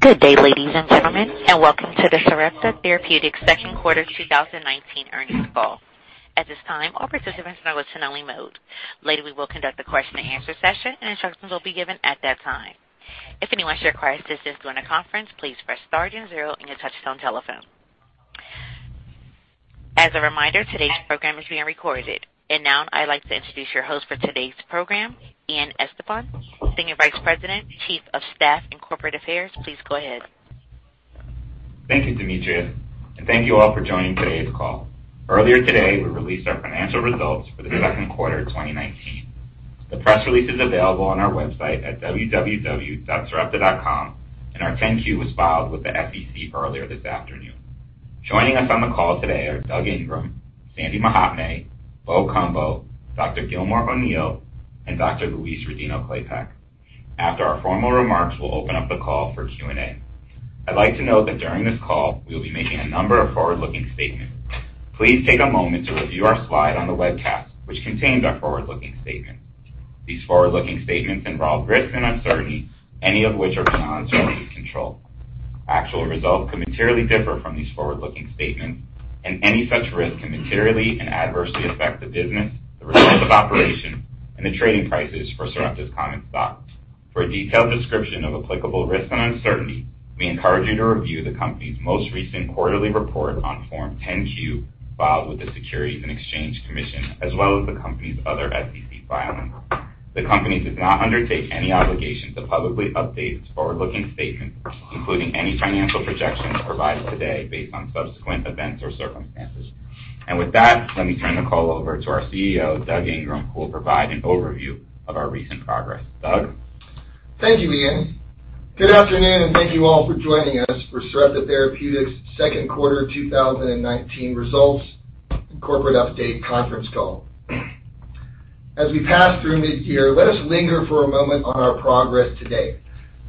Good day, ladies and gentlemen, welcome to the Sarepta Therapeutics Second Quarter 2019 earnings call. At this time, all participants are in listen-only mode. Later, we will conduct a question and answer session, and instructions will be given at that time. If anyone should require assistance during the conference, please press star zero on your touch-tone telephone. As a reminder, today's program is being recorded. Now I'd like to introduce your host for today's program, Ian Estepan, Senior Vice President, Chief of Staff and Corporate Affairs. Please go ahead. Thank you, Demetria, thank you all for joining today's call. Earlier today, we released our financial results for the second quarter of 2019. The press release is available on our website at sarepta.com, our 10-Q was filed with the SEC earlier this afternoon. Joining us on the call today are Doug Ingram, Sandy Mahatme, Bo Cumbo, Dr. Gilmore O'Neill, and Dr. Louise Rodino-Klapac. After our formal remarks we'll open up the call for Q&A. I'd like to note that during this call, we will be making a number of forward-looking statements. Please take a moment to review our slide on the webcast, which contains our forward-looking statements. These forward-looking statements involve risks and uncertainties, any of which are beyond Sarepta's control. Actual results could materially differ from these forward-looking statements, and any such risk can materially and adversely affect the business, the results of operation, and the trading prices for Sarepta's common stock. For a detailed description of applicable risks and uncertainties, we encourage you to review the company's most recent quarterly report on Form 10-Q filed with the Securities and Exchange Commission, as well as the company's other SEC filings. With that, let me turn the call over to our CEO, Doug Ingram, who will provide an overview of our recent progress. Doug? Thank you, Ian. Good afternoon, and thank you all for joining us for Sarepta Therapeutics' second quarter 2019 results and corporate update conference call. As we pass through mid-year, let us linger for a moment on our progress to date.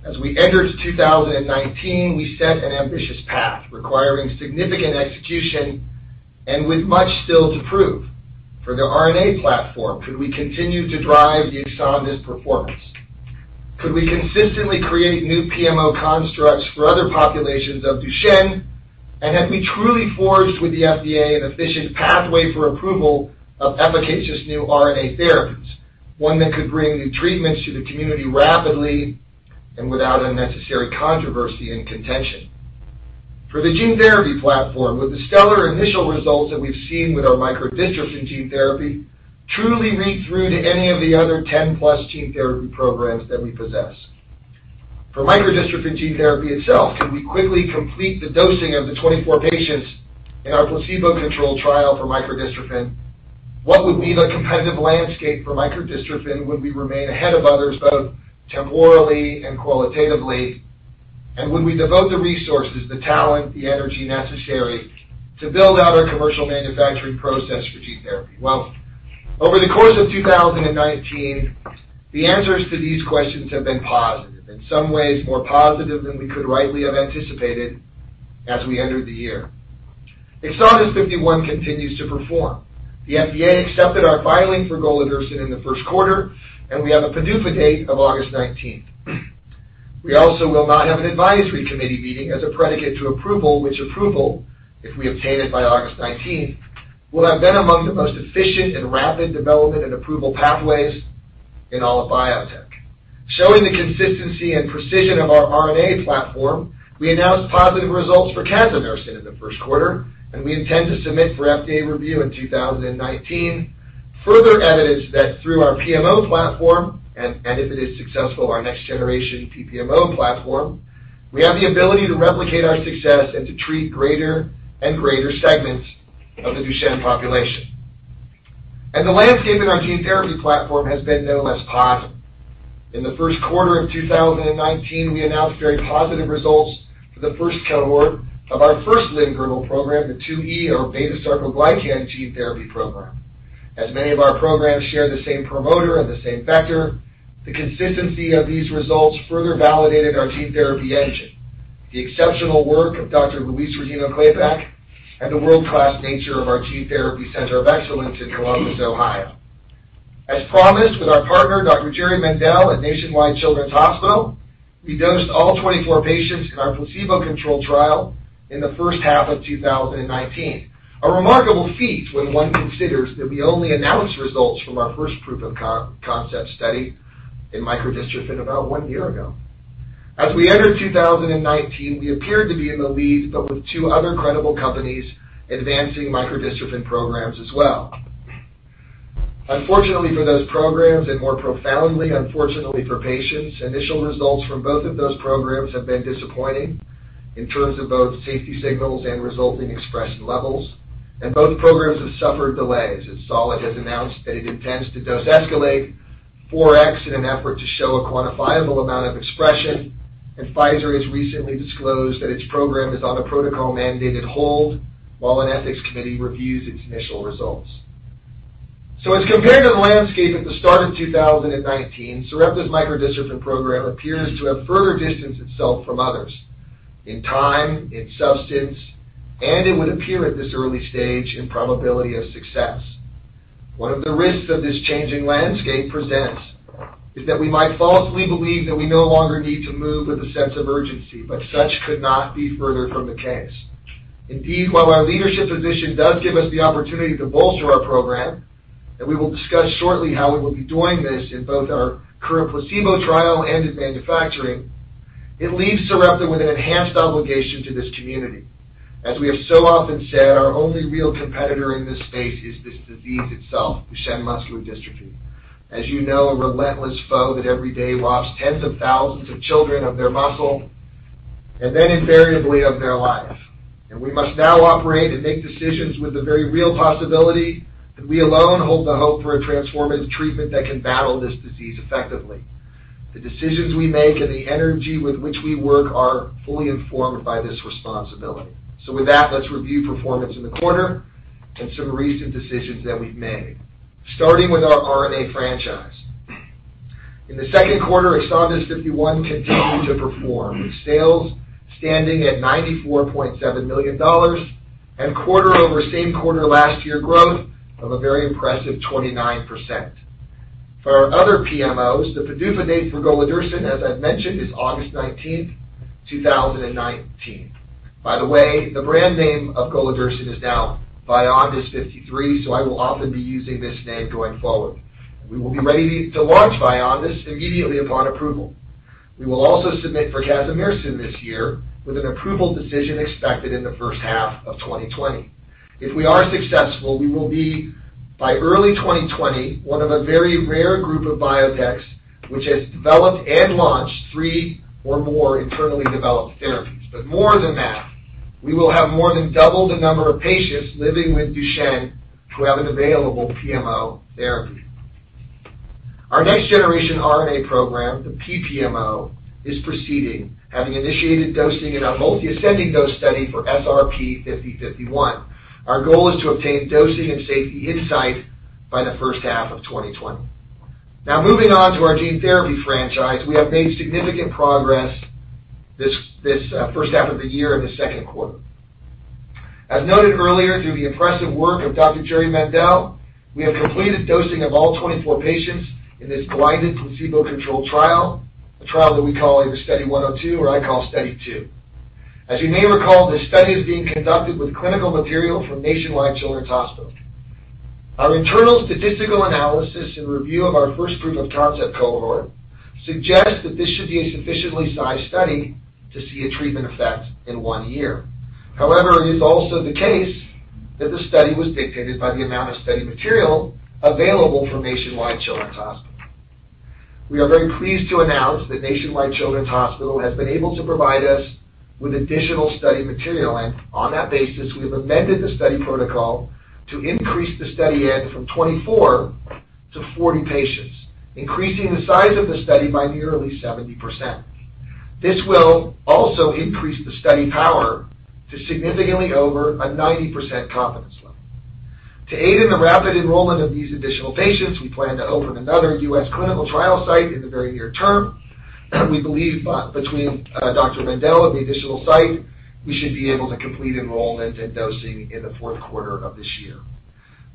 As we entered 2019, we set an ambitious path requiring significant execution and with much still to prove. For the RNA platform, could we continue to drive the EXONDYS performance? Could we consistently create new PMO constructs for other populations of Duchenne? Have we truly forged with the FDA an efficient pathway for approval of efficacious new RNA therapies, one that could bring new treatments to the community rapidly and without unnecessary controversy and contention? For the gene therapy platform, would the stellar initial results that we've seen with our micro-dystrophin gene therapy truly read through to any of the other 10 plus gene therapy programs that we possess? For micro-dystrophin gene therapy itself, could we quickly complete the dosing of the 24 patients in our placebo-controlled trial for micro-dystrophin? What would be the competitive landscape for micro-dystrophin? Would we remain ahead of others, both temporally and qualitatively? Would we devote the resources, the talent, the energy necessary to build out our commercial manufacturing process for gene therapy? Well, over the course of 2019, the answers to these questions have been positive, in some ways more positive than we could rightly have anticipated as we entered the year. EXONDYS 51 continues to perform. The FDA accepted our filing for Golodirsen in the first quarter, and we have a PDUFA date of August 19th. We also will not have an advisory committee meeting as a predicate to approval, which approval, if we obtain it by August 19th, will have been among the most efficient and rapid development and approval pathways in all of biotech. Showing the consistency and precision of our RNA platform, we announced positive results for Casimersen in the first quarter, and we intend to submit for FDA review in 2019, further evidence that through our PMO platform, and if it is successful, our next generation PPMO platform, we have the ability to replicate our success and to treat greater and greater segments of the Duchenne population. The landscape in our gene therapy platform has been no less positive. In the first quarter of 2019, we announced very positive results for the first cohort of our first limb girdle program, the 2E, or beta-sarcoglycan gene therapy program. As many of our programs share the same promoter and the same vector, the consistency of these results further validated our gene therapy engine, the exceptional work of Dr. Luis Rodino-Klapac, and the world-class nature of our gene therapy center of excellence in Columbus, Ohio. As promised with our partner, Dr. Jerry Mendell at Nationwide Children's Hospital, we dosed all 24 patients in our placebo-controlled trial in the first half of 2019. A remarkable feat when one considers that we only announced results from our first proof of concept study in micro-dystrophin about one year ago. As we entered 2019, we appeared to be in the lead, but with two other credible companies advancing micro-dystrophin programs as well. Unfortunately for those programs, more profoundly unfortunately for patients, initial results from both of those programs have been disappointing in terms of both safety signals and resulting expression levels. Both programs have suffered delays, as Solid has announced that it intends to dose escalate 4x in an effort to show a quantifiable amount of expression. Pfizer has recently disclosed that its program is on a protocol-mandated hold while an ethics committee reviews its initial results. As compared to the landscape at the start of 2019, Sarepta's micro-dystrophin program appears to have further distanced itself from others in time, in substance, and it would appear at this early stage, in probability of success. One of the risks that this changing landscape presents is that we might falsely believe that we no longer need to move with a sense of urgency, but such could not be further from the case. Indeed, while our leadership position does give us the opportunity to bolster our program, and we will discuss shortly how we will be doing this in both our current placebo trial and in manufacturing, it leaves Sarepta with an enhanced obligation to this community. As we have so often said, our only real competitor in this space is this disease itself, Duchenne muscular dystrophy. As you know, a relentless foe that every day robs tens of thousands of children of their muscle, and then invariably of their life. We must now operate and make decisions with the very real possibility that we alone hold the hope for a transformative treatment that can battle this disease effectively. The decisions we make and the energy with which we work are fully informed by this responsibility. With that, let's review performance in the quarter and some recent decisions that we've made. Starting with our RNA franchise. In the second quarter, EXONDYS 51 continued to perform, with sales standing at $94.7 million, and quarter over same quarter last year growth of a very impressive 29%. For our other PMOs, the PDUFA date for Golodirsen, as I've mentioned, is August 19, 2019. By the way, the brand name of Golodirsen is now VYONDYS 53. I will often be using this name going forward. We will be ready to launch VYONDYS immediately upon approval. We will also submit for Casimersen this year, with an approval decision expected in the first half of 2020. If we are successful, we will be, by early 2020, one of a very rare group of biotechs which has developed and launched three or more internally developed therapies. More than that, we will have more than doubled the number of patients living with Duchenne who have an available PMO therapy. Our next generation RNA program, the PPMO, is proceeding, having initiated dosing in our multi-ascending dose study for SRP-5051. Our goal is to obtain dosing and safety insight by the first half of 2020. Now moving on to our gene therapy franchise, we have made significant progress this first half of the year in the second quarter. As noted earlier, through the impressive work of Dr. Jerry Mendell, we have completed dosing of all 24 patients in this blinded placebo-controlled trial, a trial that we call either Study 102, or I call Study 2. As you may recall, this study is being conducted with clinical material from Nationwide Children's Hospital. Our internal statistical analysis and review of our first proof of concept cohort suggests that this should be a sufficiently sized study to see a treatment effect in one year. However, it is also the case that the study was dictated by the amount of study material available from Nationwide Children's Hospital. We are very pleased to announce that Nationwide Children's Hospital has been able to provide us with additional study material. On that basis, we have amended the study protocol to increase the study end from 24 to 40 patients, increasing the size of the study by nearly 70%. This will also increase the study power to significantly over a 90% confidence level. To aid in the rapid enrollment of these additional patients, we plan to open another U.S. clinical trial site in the very near term. We believe between Dr. Mendell and the additional site, we should be able to complete enrollment and dosing in the fourth quarter of this year.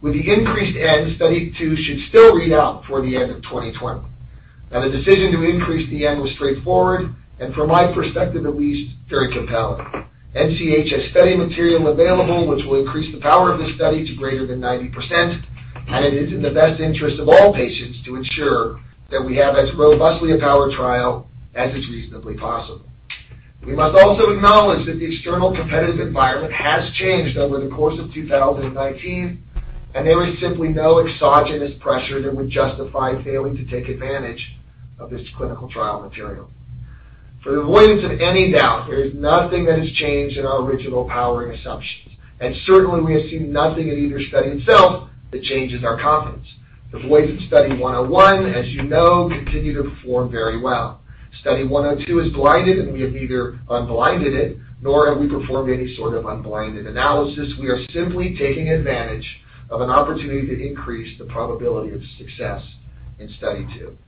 With the increased end, Study 2 should still read out before the end of 2020. The decision to increase the end was straightforward, and from my perspective at least, very compelling. NCH has study material available which will increase the power of this study to greater than 90%, and it is in the best interest of all patients to ensure that we have as robustly a powered trial as is reasonably possible. There is simply no exogenous pressure that would justify failing to take advantage of this clinical trial material. For the avoidance of any doubt, there is nothing that has changed in our original powering assumptions. Certainly, we have seen nothing in either study itself that changes our confidence. The boys in Study 101, as you know, continue to perform very well. Study 102 is blinded. We have neither unblinded it, nor have we performed any sort of unblinded analysis. We are simply taking advantage of an opportunity to increase the probability of success in Study 2.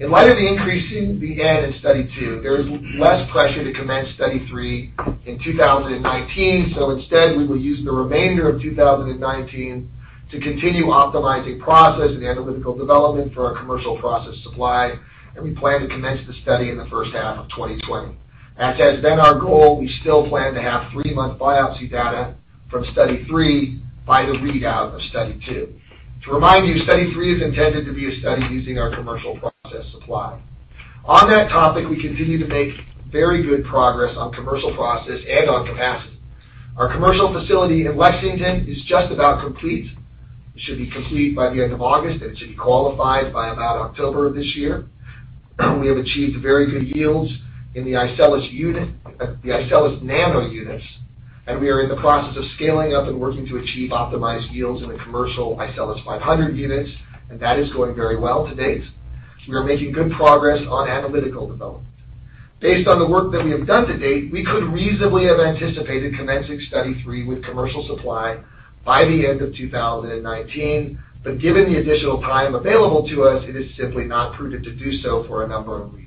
In light of increasing the N in Study 2, there is less pressure to commence Study 3 in 2019. Instead, we will use the remainder of 2019 to continue optimizing process and analytical development for our commercial process supply, and we plan to commence the study in the first half of 2020. As has been our goal, we still plan to have three-month biopsy data from Study 3 by the readout of Study 2. To remind you, Study 3 is intended to be a study using our commercial process supply. On that topic, we continue to make very good progress on commercial process and on capacity. Our commercial facility in Lexington is just about complete. It should be complete by the end of August, and it should be qualified by about October of this year. We have achieved very good yields in the iCELLis Nano units, and we are in the process of scaling up and working to achieve optimized yields in the commercial iCELLis 500 units, and that is going very well to date. We are making good progress on analytical development. Based on the work that we have done to date, we could reasonably have anticipated commencing Study 3 with commercial supply by the end of 2019. Given the additional time available to us, it is simply not prudent to do so for a number of reasons.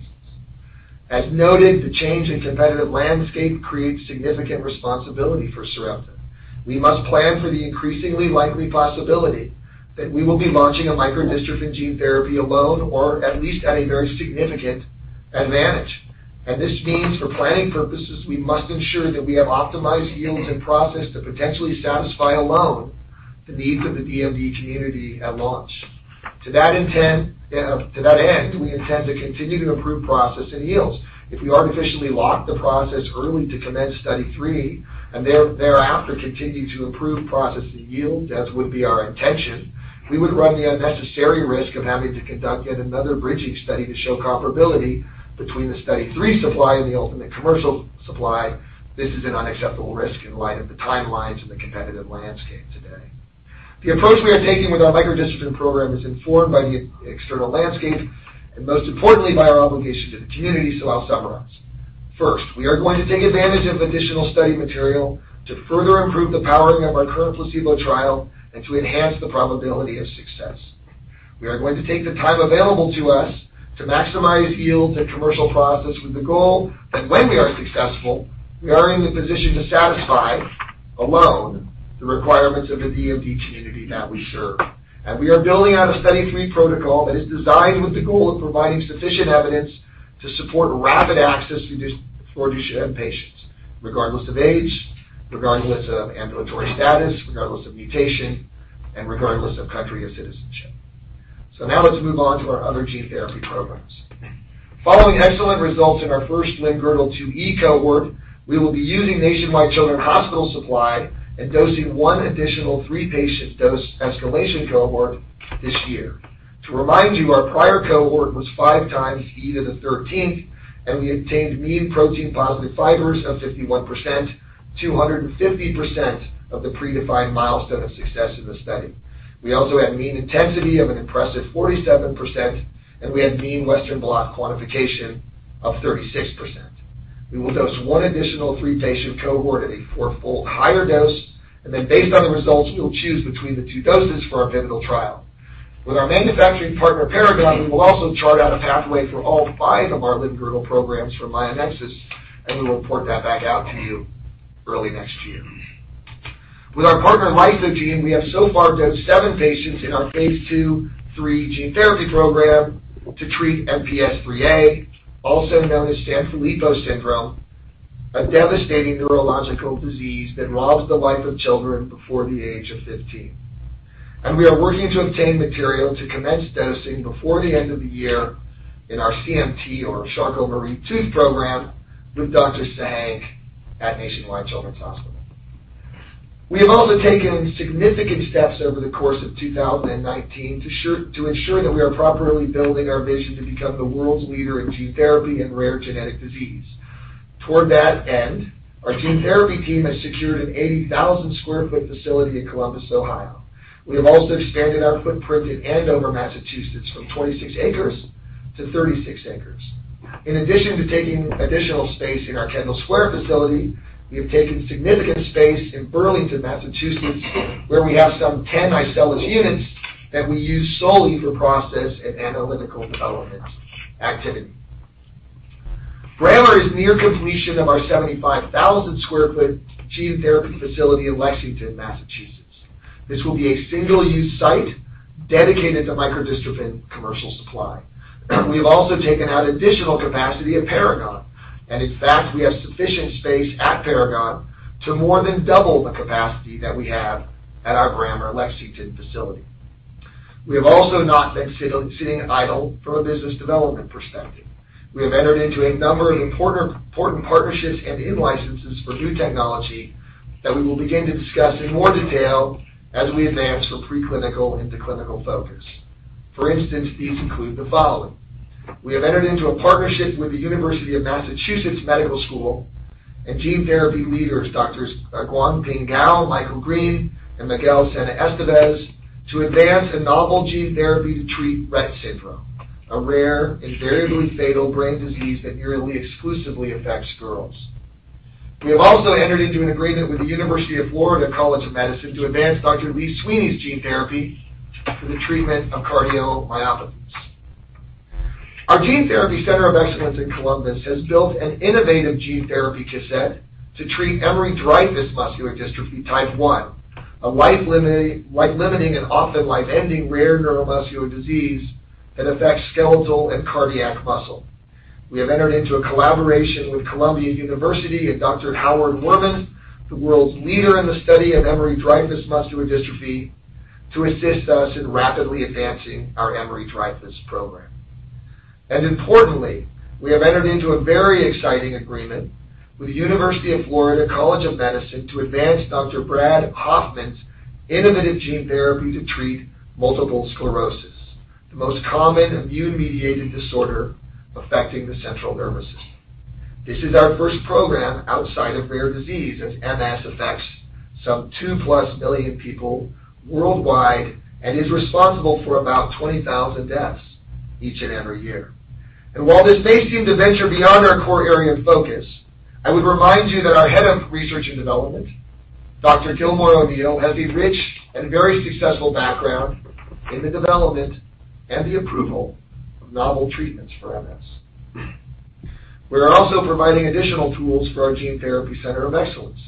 As noted, the change in competitive landscape creates significant responsibility for Sarepta. We must plan for the increasingly likely possibility that we will be launching a micro-dystrophin gene therapy alone, or at least at a very significant advantage. This means for planning purposes, we must ensure that we have optimized yields and process to potentially satisfy alone the needs of the DMD community at launch. To that end, we intend to continue to improve process and yields. If we artificially lock the process early to commence study 3, and thereafter continue to improve process and yield, as would be our intention, we would run the unnecessary risk of having to conduct yet another bridging study to show comparability between the study 3 supply and the ultimate commercial supply. This is an unacceptable risk in light of the timelines and the competitive landscape today. The approach we are taking with our micro-dystrophin program is informed by the external landscape, and most importantly, by our obligation to the community. I'll summarize. First, we are going to take advantage of additional study material to further improve the powering of our current placebo trial and to enhance the probability of success. We are going to take the time available to us to maximize yields and commercial process with the goal that when we are successful, we are in the position to satisfy alone the requirements of the DMD community that we serve. We are building out a study 3 protocol that is designed with the goal of providing sufficient evidence to support rapid access to Duchenne patients, regardless of age, regardless of ambulatory status, regardless of mutation, and regardless of country of citizenship. Now let's move on to our other gene therapy programs. Following excellent results in our first limb-girdle 2E cohort, we will be using Nationwide Children's Hospital supply and dosing one additional 3-patient dose escalation cohort this year. To remind you, our prior cohort was five times E to the 13th, and we obtained mean protein-positive fibers of 51%, 250% of the predefined milestone of success in the study. We also had mean intensity of an impressive 47%, and we had mean western blot quantification of 36%. We will dose one additional 3-patient cohort at a fourfold higher dose, and then based on the results, we will choose between the two doses for our pivotal trial. With our manufacturing partner, Paragon, we will also chart out a pathway for all five of our limb-girdle programs for Myonexus, and we will report that back out to you early next year. With our partner, Lysogene, we have so far dosed seven patients in our phase II, III gene therapy program to treat MPS 3A, also known as Sanfilippo syndrome, a devastating neurological disease that robs the life of children before the age of 15. We are working to obtain material to commence dosing before the end of the year in our CMT or Charcot-Marie-Tooth program with Dr. Sahenk at Nationwide Children's Hospital. We have also taken significant steps over the course of 2019 to ensure that we are properly building our vision to become the world's leader in gene therapy and rare genetic disease. Toward that end, our gene therapy team has secured an 80,000 sq ft facility in Columbus, Ohio. We have also expanded our footprint in Andover, Massachusetts from 26 acres to 36 acres. In addition to taking additional space in our Kendall Square facility, we have taken significant space in Burlington, Massachusetts, where we have some 10 isolator units that we use solely for process and analytical development activity. Brammer Bio is near completion of our 75,000 square foot gene therapy facility in Lexington, Massachusetts. This will be a single-use site dedicated to micro-dystrophin commercial supply. We have also taken out additional capacity at Paragon, and in fact, we have sufficient space at Paragon to more than double the capacity that we have at our Brammer Bio Lexington facility. We have also not been sitting idle from a business development perspective. We have entered into a number of important partnerships and in-licenses for new technology that we will begin to discuss in more detail as we advance from preclinical into clinical focus. For instance, these include the following. We have entered into a partnership with the University of Massachusetts Medical School and gene therapy leaders, Doctors Guangping Gao, Michael Green, and Miguel Sena-Esteves, to advance a novel gene therapy to treat Rett syndrome, a rare, invariably fatal brain disease that nearly exclusively affects girls. We have also entered into an agreement with the University of Florida College of Medicine to advance Dr. Lee Sweeney's gene therapy for the treatment of cardiomyopathies. Our gene therapy center of excellence in Columbus has built an innovative gene therapy cassette to treat Emery-Dreifuss muscular dystrophy type 1, a life-limiting and often life-ending rare neuromuscular disease that affects skeletal and cardiac muscle. We have entered into a collaboration with Columbia University and Dr. Howard Worman, the world's leader in the study of Emery-Dreifuss Muscular Dystrophy, to assist us in rapidly advancing our Emery-Dreifuss program. Importantly, we have entered into a very exciting agreement with the University of Florida College of Medicine to advance Dr. Brad Hoffman's innovative gene therapy to treat multiple sclerosis, the most common immune-mediated disorder affecting the central nervous system. This is our first program outside of rare disease, as MS affects some 2-plus million people worldwide and is responsible for about 20,000 deaths each and every year. While this may seem to venture beyond our core area of focus, I would remind you that our head of research and development Dr. Gilmore O'Neill has a rich and very successful background in the development and the approval of novel treatments for MS. We are also providing additional tools for our gene therapy Center of Excellence.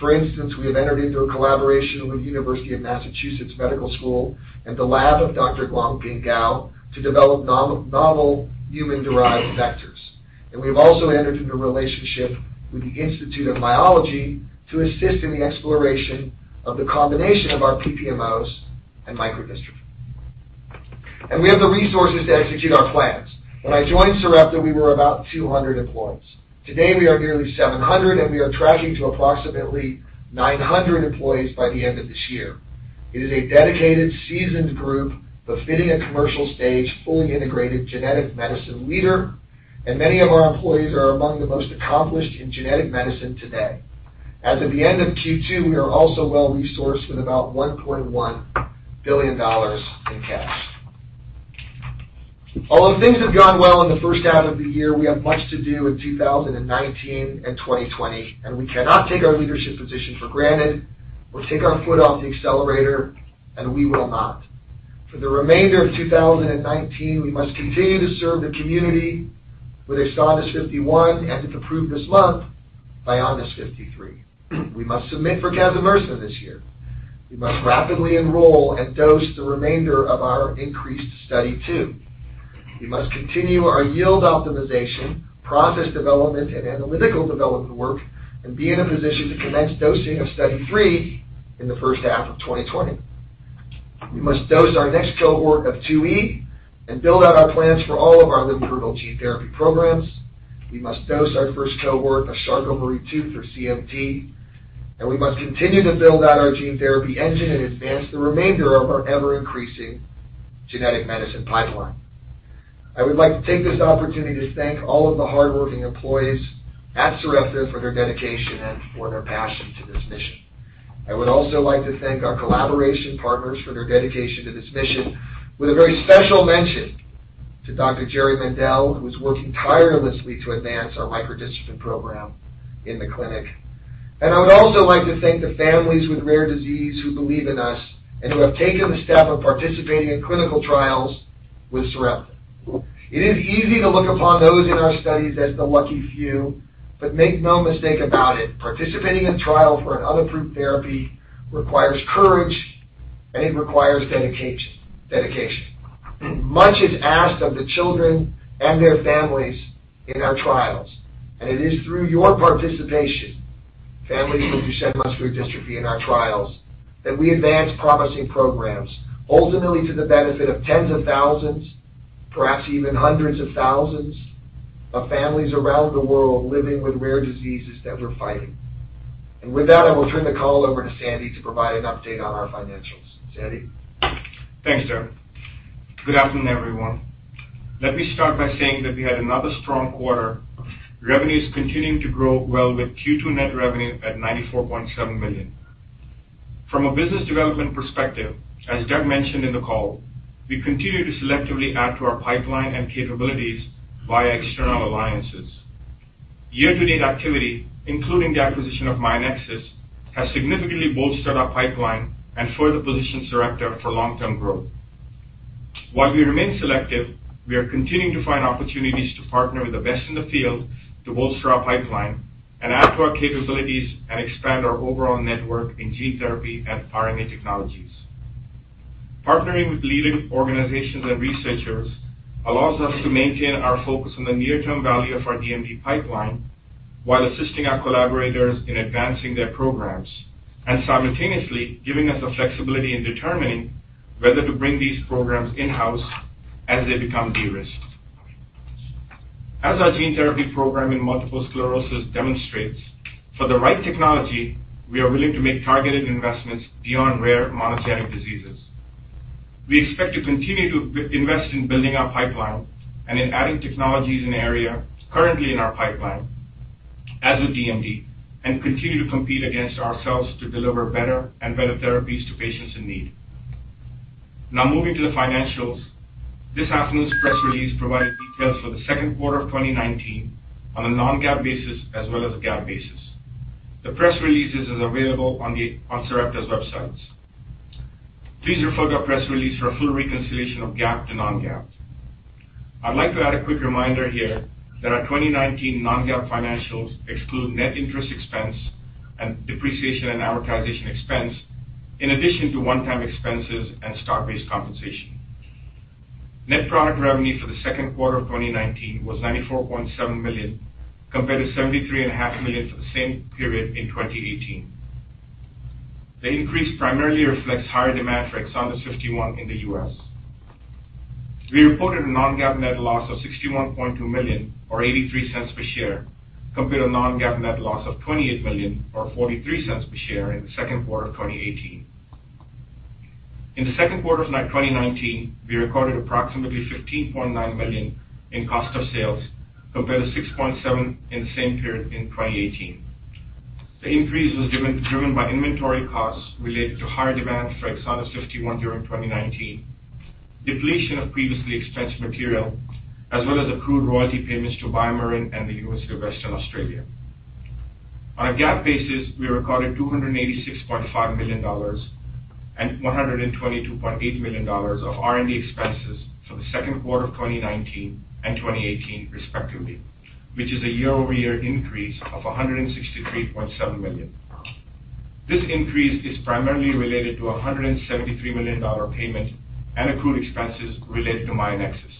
For instance, we have entered into a collaboration with University of Massachusetts Medical School and the lab of Dr. Guangping Gao to develop novel human-derived vectors. We've also entered into a relationship with the Institute of Myology to assist in the exploration of the combination of our PPMOs and micro-dystrophin. We have the resources to execute our plans. When I joined Sarepta, we were about 200 employees. Today, we are nearly 700, and we are tracking to approximately 900 employees by the end of this year. It is a dedicated, seasoned group befitting a commercial stage, fully integrated genetic medicine leader, and many of our employees are among the most accomplished in genetic medicine today. As of the end of Q2, we are also well-resourced with about $1.1 billion in cash. Although things have gone well in the first half of the year, we have much to do in 2019 and 2020. We cannot take our leadership position for granted or take our foot off the accelerator. We will not. For the remainder of 2019, we must continue to serve the community with EXONDYS 51, and if approved this month, VYONDYS 53. We must submit for Casimersen this year. We must rapidly enroll and dose the remainder of our increased Study 102. We must continue our yield optimization, process development, and analytical development work. Be in a position to commence dosing of Study 3 in the first half of 2020. We must dose our next cohort of 2E and build out our plans for all of our limb girdle gene therapy programs. We must dose our first cohort of Charcot-Marie-Tooth, or CMT, and we must continue to build out our gene therapy engine and advance the remainder of our ever-increasing genetic medicine pipeline. I would like to take this opportunity to thank all of the hardworking employees at Sarepta for their dedication and for their passion to this mission. I would also like to thank our collaboration partners for their dedication to this mission, with a very special mention to Dr. Jerry Mendell, who is working tirelessly to advance our micro-dystrophin program in the clinic. I would also like to thank the families with rare disease who believe in us, and who have taken the step of participating in clinical trials with Sarepta. It is easy to look upon those in our studies as the lucky few, but make no mistake about it, participating in a trial for an unapproved therapy requires courage and it requires dedication. Much is asked of the children and their families in our trials. It is through your participation, families with Duchenne muscular dystrophy in our trials, that we advance promising programs, ultimately to the benefit of tens of thousands, perhaps even hundreds of thousands, of families around the world living with rare diseases that we're fighting. With that, I will turn the call over to Sandy to provide an update on our financials. Sandy? Thanks, Doug. Good afternoon, everyone. Let me start by saying that we had another strong quarter. Revenue is continuing to grow well with Q2 net revenue at $94.7 million. From a business development perspective, as Der mentioned in the call, we continue to selectively add to our pipeline and capabilities via external alliances. Year-to-date activity, including the acquisition of Myonexus, has significantly bolstered our pipeline and further positions Sarepta for long-term growth. While we remain selective, we are continuing to find opportunities to partner with the best in the field to bolster our pipeline and add to our capabilities and expand our overall network in gene therapy and RNA technologies. Partnering with leading organizations and researchers allows us to maintain our focus on the near-term value of our DMD pipeline while assisting our collaborators in advancing their programs, and simultaneously giving us the flexibility in determining whether to bring these programs in-house as they become de-risked. As our gene therapy program in multiple sclerosis demonstrates, for the right technology, we are willing to make targeted investments beyond rare monogenic diseases. We expect to continue to invest in building our pipeline and in adding technologies in the area currently in our pipeline as with DMD, and continue to compete against ourselves to deliver better and better therapies to patients in need. Now moving to the financials, this afternoon's press release provided details for the second quarter of 2019 on a non-GAAP basis as well as a GAAP basis. The press release is available on Sarepta's websites. Please refer to our press release for a full reconciliation of GAAP to non-GAAP. I'd like to add a quick reminder here that our 2019 non-GAAP financials exclude net interest expense and depreciation and amortization expense, in addition to one-time expenses and stock-based compensation. Net product revenue for the second quarter of 2019 was $94.7 million, compared to $73.5 million for the same period in 2018. The increase primarily reflects higher demand for EXONDYS 51 in the U.S. We reported a non-GAAP net loss of $61.2 million or $0.83 per share, compared to a non-GAAP net loss of $28 million or $0.43 per share in the second quarter of 2018. In the second quarter of 2019, we recorded approximately $15.9 million in cost of sales, compared to $6.7 in the same period in 2018. The increase was driven by inventory costs related to higher demand for EXONDYS 51 during 2019. Depletion of previously expensed material, as well as accrued royalty payments to BioMarin and the University of Western Australia. On a GAAP basis, we recorded $286.5 million and $122.8 million of R&D expenses for the second quarter of 2019 and 2018 respectively, which is a year-over-year increase of $163.7 million. This increase is primarily related to a $173 million payment and accrued expenses related to Myonexus.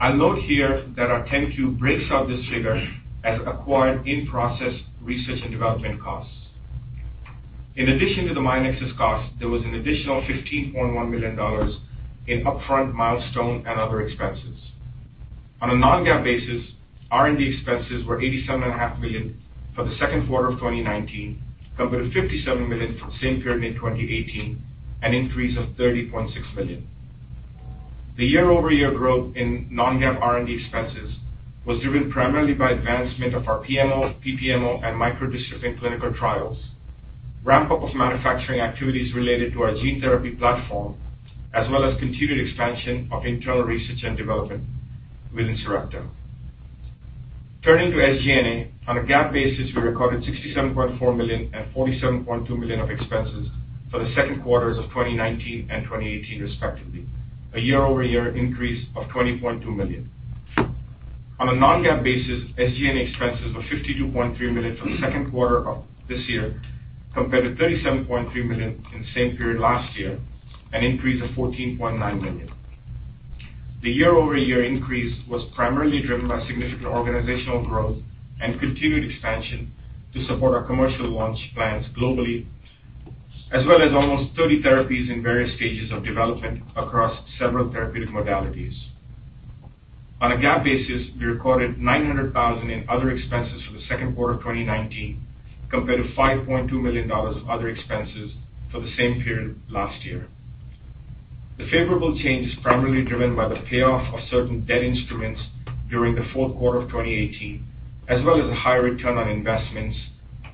I'll note here that our 10-Q breaks out this figure as acquired in-process research and development costs. In addition to the Myonexus cost, there was an additional $15.1 million in upfront milestone and other expenses. On a non-GAAP basis, R&D expenses were $87.5 million for the second quarter of 2019, compared to $57 million for the same period in 2018, an increase of $30.6 million. The year-over-year growth in non-GAAP R&D expenses was driven primarily by advancement of our PMO, PPMO, and micro-dystrophin clinical trials, ramp-up of manufacturing activities related to our gene therapy platform, as well as continued expansion of internal research and development within Sarepta. Turning to SG&A. On a GAAP basis, we recorded $67.4 million and $47.2 million of expenses for the second quarters of 2019 and 2018, respectively, a year-over-year increase of $20.2 million. On a non-GAAP basis, SG&A expenses were $52.3 million for the second quarter of this year, compared to $37.3 million in the same period last year, an increase of $14.9 million. The year-over-year increase was primarily driven by significant organizational growth and continued expansion to support our commercial launch plans globally, as well as almost 30 therapies in various stages of development across several therapeutic modalities. On a GAAP basis, we recorded $900,000 in other expenses for the second quarter of 2019, compared to $5.2 million of other expenses for the same period last year. The favorable change is primarily driven by the payoff of certain debt instruments during the fourth quarter of 2018, as well as a higher return on investments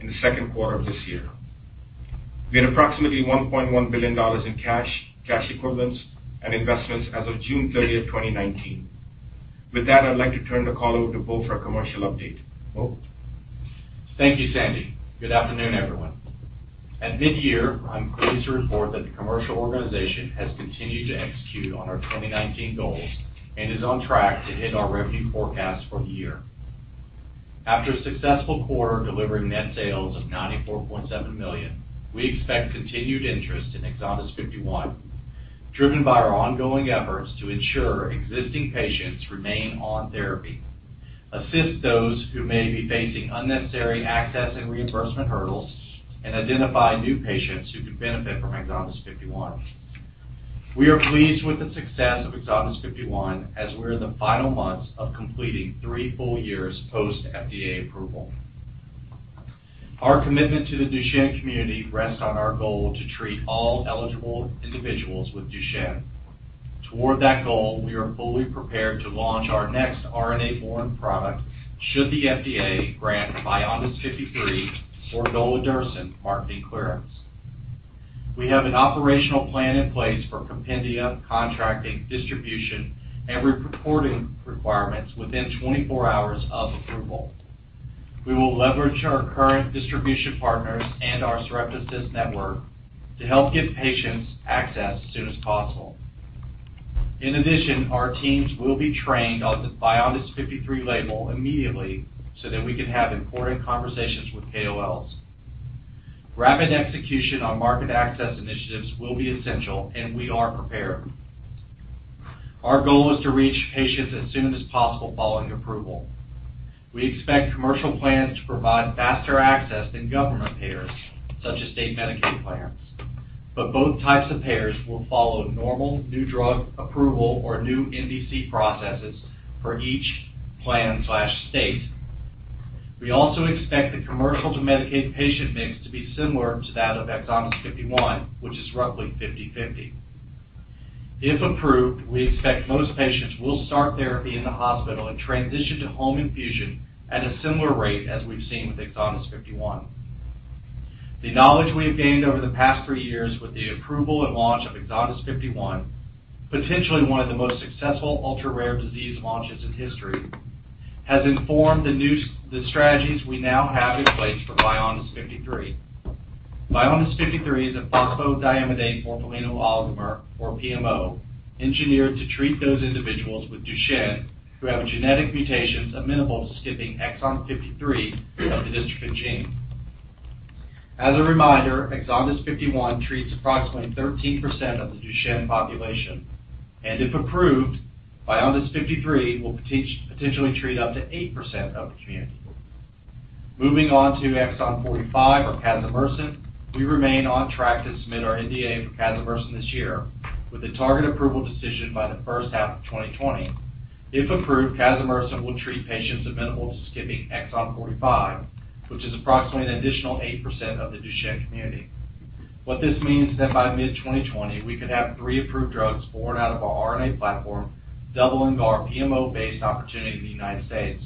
in the second quarter of this year. We had approximately $1.1 billion in cash equivalents, and investments as of June 30th, 2019. With that, I'd like to turn the call over to Bo for a commercial update. Bo? Thank you, Sandy. Good afternoon, everyone. At mid-year, I'm pleased to report that the commercial organization has continued to execute on our 2019 goals and is on track to hit our revenue forecast for the year. After a successful quarter delivering net sales of $94.7 million, we expect continued interest in EXONDYS 51, driven by our ongoing efforts to ensure existing patients remain on therapy, assist those who may be facing unnecessary access and reimbursement hurdles, and identify new patients who could benefit from EXONDYS 51. We are pleased with the success of EXONDYS 51, as we're in the final months of completing three full years post FDA approval. Our commitment to the Duchenne community rests on our goal to treat all eligible individuals with Duchenne. Toward that goal, we are fully prepared to launch our next RNA-borne product, should the FDA grant VYONDYS 53 or Golodirsen marketing clearance. We have an operational plan in place for compendia, contracting, distribution, and reporting requirements within 24 hours of approval. We will leverage our current distribution partners and our SareptAssist network to help get patients access as soon as possible. In addition, our teams will be trained on the VYONDYS 53 label immediately so that we can have important conversations with KOLs. Rapid execution on market access initiatives will be essential, and we are prepared. Our goal is to reach patients as soon as possible following approval. We expect commercial plans to provide faster access than government payers, such as state Medicaid plans, but both types of payers will follow normal new drug approval or new NDC processes for each plan/state. We also expect the commercial to Medicaid patient mix to be similar to that of EXONDYS 51, which is roughly 50/50. If approved, we expect most patients will start therapy in the hospital and transition to home infusion at a similar rate as we've seen with EXONDYS 51. The knowledge we have gained over the past three years with the approval and launch of EXONDYS 51, potentially one of the most successful ultra-rare disease launches in history, has informed the strategies we now have in place for VYONDYS 53. VYONDYS 53 is a phosphorodiamidate morpholino oligomer or PMO, engineered to treat those individuals with Duchenne who have genetic mutations amenable to skipping exon 53 of the dystrophin gene. As a reminder, EXONDYS 51 treats approximately 13% of the Duchenne population, and if approved, VYONDYS 53 will potentially treat up to 8% of the community. Moving on to exon 45 or Casimersen, we remain on track to submit our NDA for Casimersen this year with a target approval decision by the first half of 2020. If approved, Casimersen will treat patients amenable to skipping exon 45, which is approximately an additional 8% of the Duchenne community. What this means is that by mid-2020, we could have three approved drugs born out of our RNA platform, doubling our PMO-based opportunity in the United States.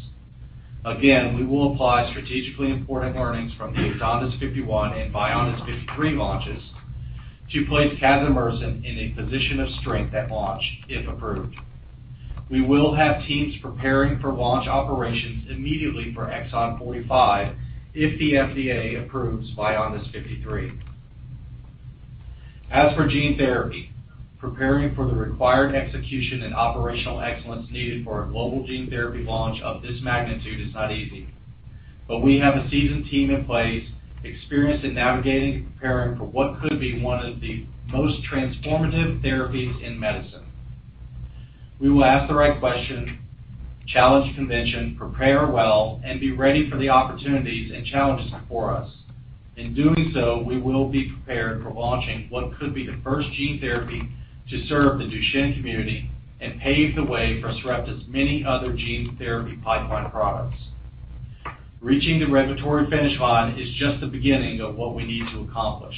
We will apply strategically important learnings from the EXONDYS 51 and VYONDYS 53 launches to place Casimersen in a position of strength at launch, if approved. We will have teams preparing for launch operations immediately for exon 45 if the FDA approves VYONDYS 53. As for gene therapy, preparing for the required execution and operational excellence needed for a global gene therapy launch of this magnitude is not easy. We have a seasoned team in place, experienced in navigating and preparing for what could be one of the most transformative therapies in medicine. We will ask the right question, challenge convention, prepare well, and be ready for the opportunities and challenges before us. In doing so, we will be prepared for launching what could be the first gene therapy to serve the Duchenne community and pave the way for Sarepta's many other gene therapy pipeline products. Reaching the regulatory finish line is just the beginning of what we need to accomplish.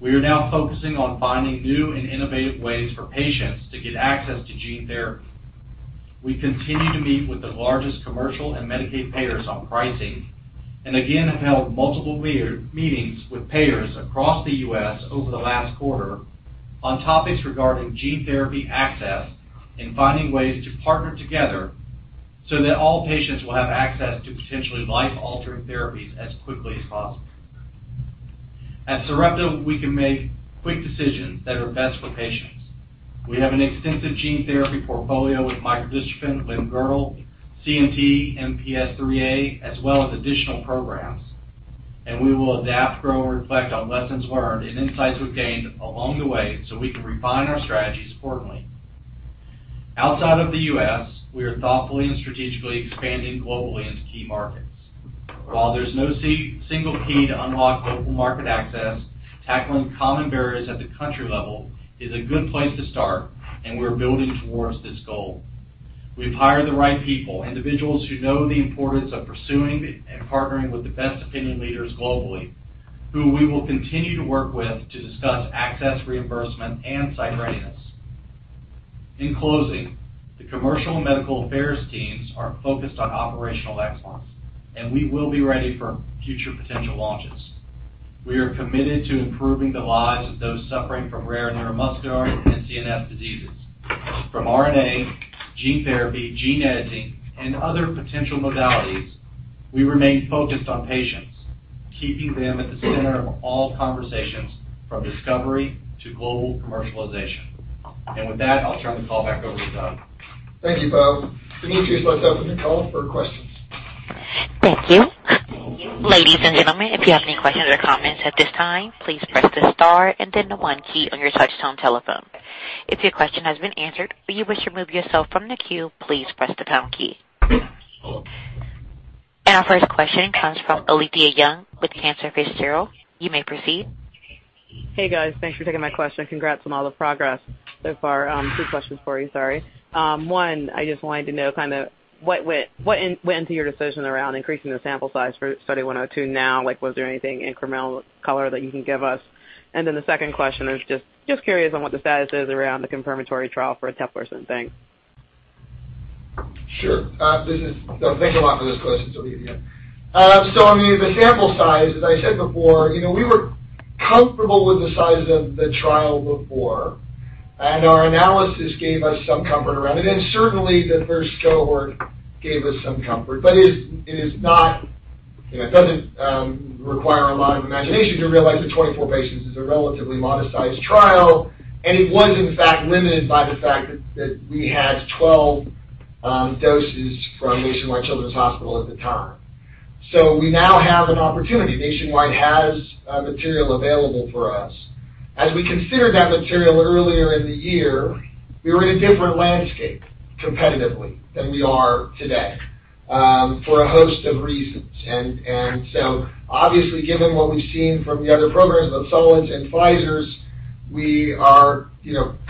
We are now focusing on finding new and innovative ways for patients to get access to gene therapy. We continue to meet with the largest commercial and Medicaid payers on pricing. Again, have held multiple meetings with payers across the U.S. over the last quarter on topics regarding gene therapy access and finding ways to partner together so that all patients will have access to potentially life-altering therapies as quickly as possible. At Sarepta, we can make quick decisions that are best for patients. We have an extensive gene therapy portfolio with micro-dystrophin, limb-girdle, CMT, MPS 3A, as well as additional programs. We will adapt, grow, and reflect on lessons learned and insights we've gained along the way so we can refine our strategies accordingly. Outside of the U.S., we are thoughtfully and strategically expanding globally into key markets. While there's no single key to unlock local market access, tackling common barriers at the country level is a good place to start, and we're building towards this goal. We've hired the right people, individuals who know the importance of pursuing and partnering with the best opinion leaders globally, who we will continue to work with to discuss access, reimbursement, and site readiness. In closing, the commercial and medical affairs teams are focused on operational excellence, and we will be ready for future potential launches. We are committed to improving the lives of those suffering from rare neuromuscular and CNS diseases. From RNA, gene therapy, gene editing, and other potential modalities, we remain focused on patients, keeping them at the center of all conversations from discovery to global commercialization. With that, I'll turn the call back over to Doug. Thank you, Bo. Operator, let's open the call for questions. Thank you. Ladies and gentlemen, if you have any questions or comments at this time, please press the star and then the one key on your touchtone telephone. If your question has been answered, or you wish to remove yourself from the queue, please press the pound key. Our first question comes from Olivia Young with Cantor Fitzgerald. You may proceed. Hey, guys. Thanks for taking my question. Congrats on all the progress so far. Two questions for you, sorry. One, I just wanted to know what went into your decision around increasing the sample size for Study 102 now? Was there anything incremental color that you can give us? The second question is just curious on what the status is around the confirmatory trial for eteplirsen, thanks? Thanks a lot for those questions, Olivia. On the sample size, as I said before, we were comfortable with the size of the trial before, and our analysis gave us some comfort around it, and certainly, the first cohort gave us some comfort. It doesn't require a lot of imagination to realize that 24 patients is a relatively modest-sized trial, and it was, in fact, limited by the fact that we had 12 doses from Nationwide Children's Hospital at the time. We now have an opportunity. Nationwide has material available for us. As we considered that material earlier in the year, we were in a different landscape competitively than we are today, for a host of reasons. Obviously, given what we've seen from the other programs, both Solid's and Pfizer's, we are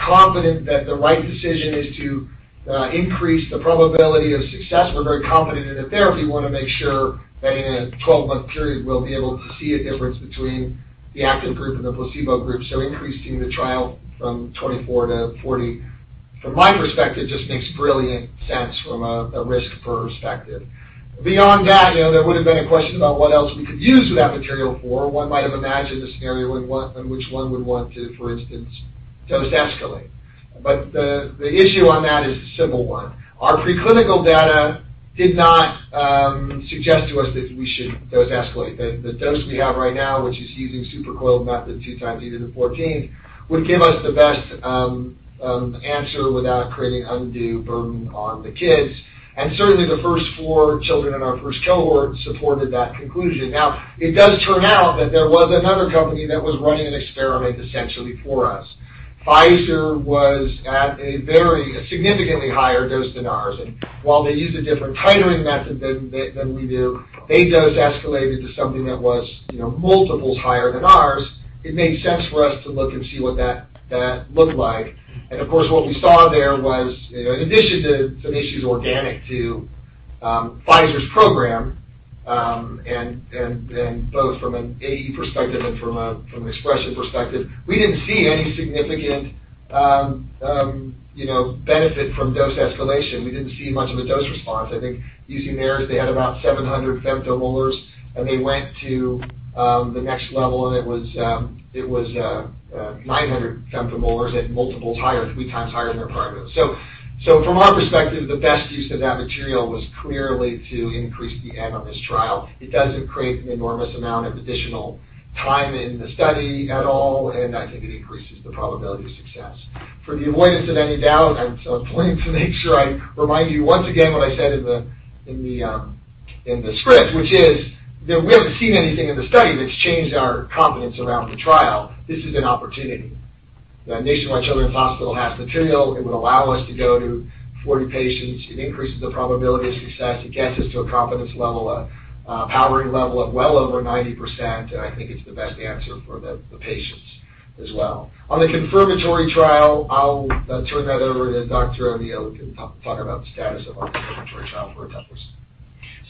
confident that the right decision is to increase the probability of success. We're very confident in the therapy. We want to make sure that in a 12-month period, we'll be able to see a difference between the active group and the placebo group. Increasing the trial from 24 to 40, from my perspective, just makes brilliant sense from a risk perspective. Beyond that, there would have been a question about what else we could use that material for. One might have imagined a scenario in which one would want to, for instance, dose escalate. The issue on that is a simple one. Our preclinical data did not suggest to us that we should dose escalate. The dose we have right now, which is using supercoiled method 2 times e to the 14, would give us the best answer without creating undue burden on the kids. Certainly, the first four children in our first cohort supported that conclusion. It does turn out that there was another company that was running an experiment, essentially, for us. Pfizer was at a very significantly higher dose than ours, and while they used a different titering method than we do, they dose escalated to something that was multiples higher than ours. It made sense for us to look and see what that looked like. Of course, what we saw there was, in addition to some issues organic to Pfizer's program. Both from an AE perspective and from an expression perspective. We didn't see any significant benefit from dose escalation. We didn't see much of a dose response. I think UCB, they had about 700 femtomolars, and they went to the next level, and it was 900 femtomolars at multiples higher, three times higher than their prior dose. From our perspective, the best use of that material was clearly to increase the N on this trial. It doesn't create an enormous amount of additional time in the study at all, and I think it increases the probability of success. For the avoidance of any doubt, I want to make sure I remind you once again what I said in the script, which is that we haven't seen anything in the study that's changed our confidence around the trial. This is an opportunity. The Nationwide Children's Hospital has material. It would allow us to go to 40 patients. It increases the probability of success. It gets us to a confidence level, a powering level of well over 90%, and I think it's the best answer for the patients as well. On the confirmatory trial, I'll turn that over to Dr. O'Neill, who can talk about the status of our confirmatory trial for eteplirsen.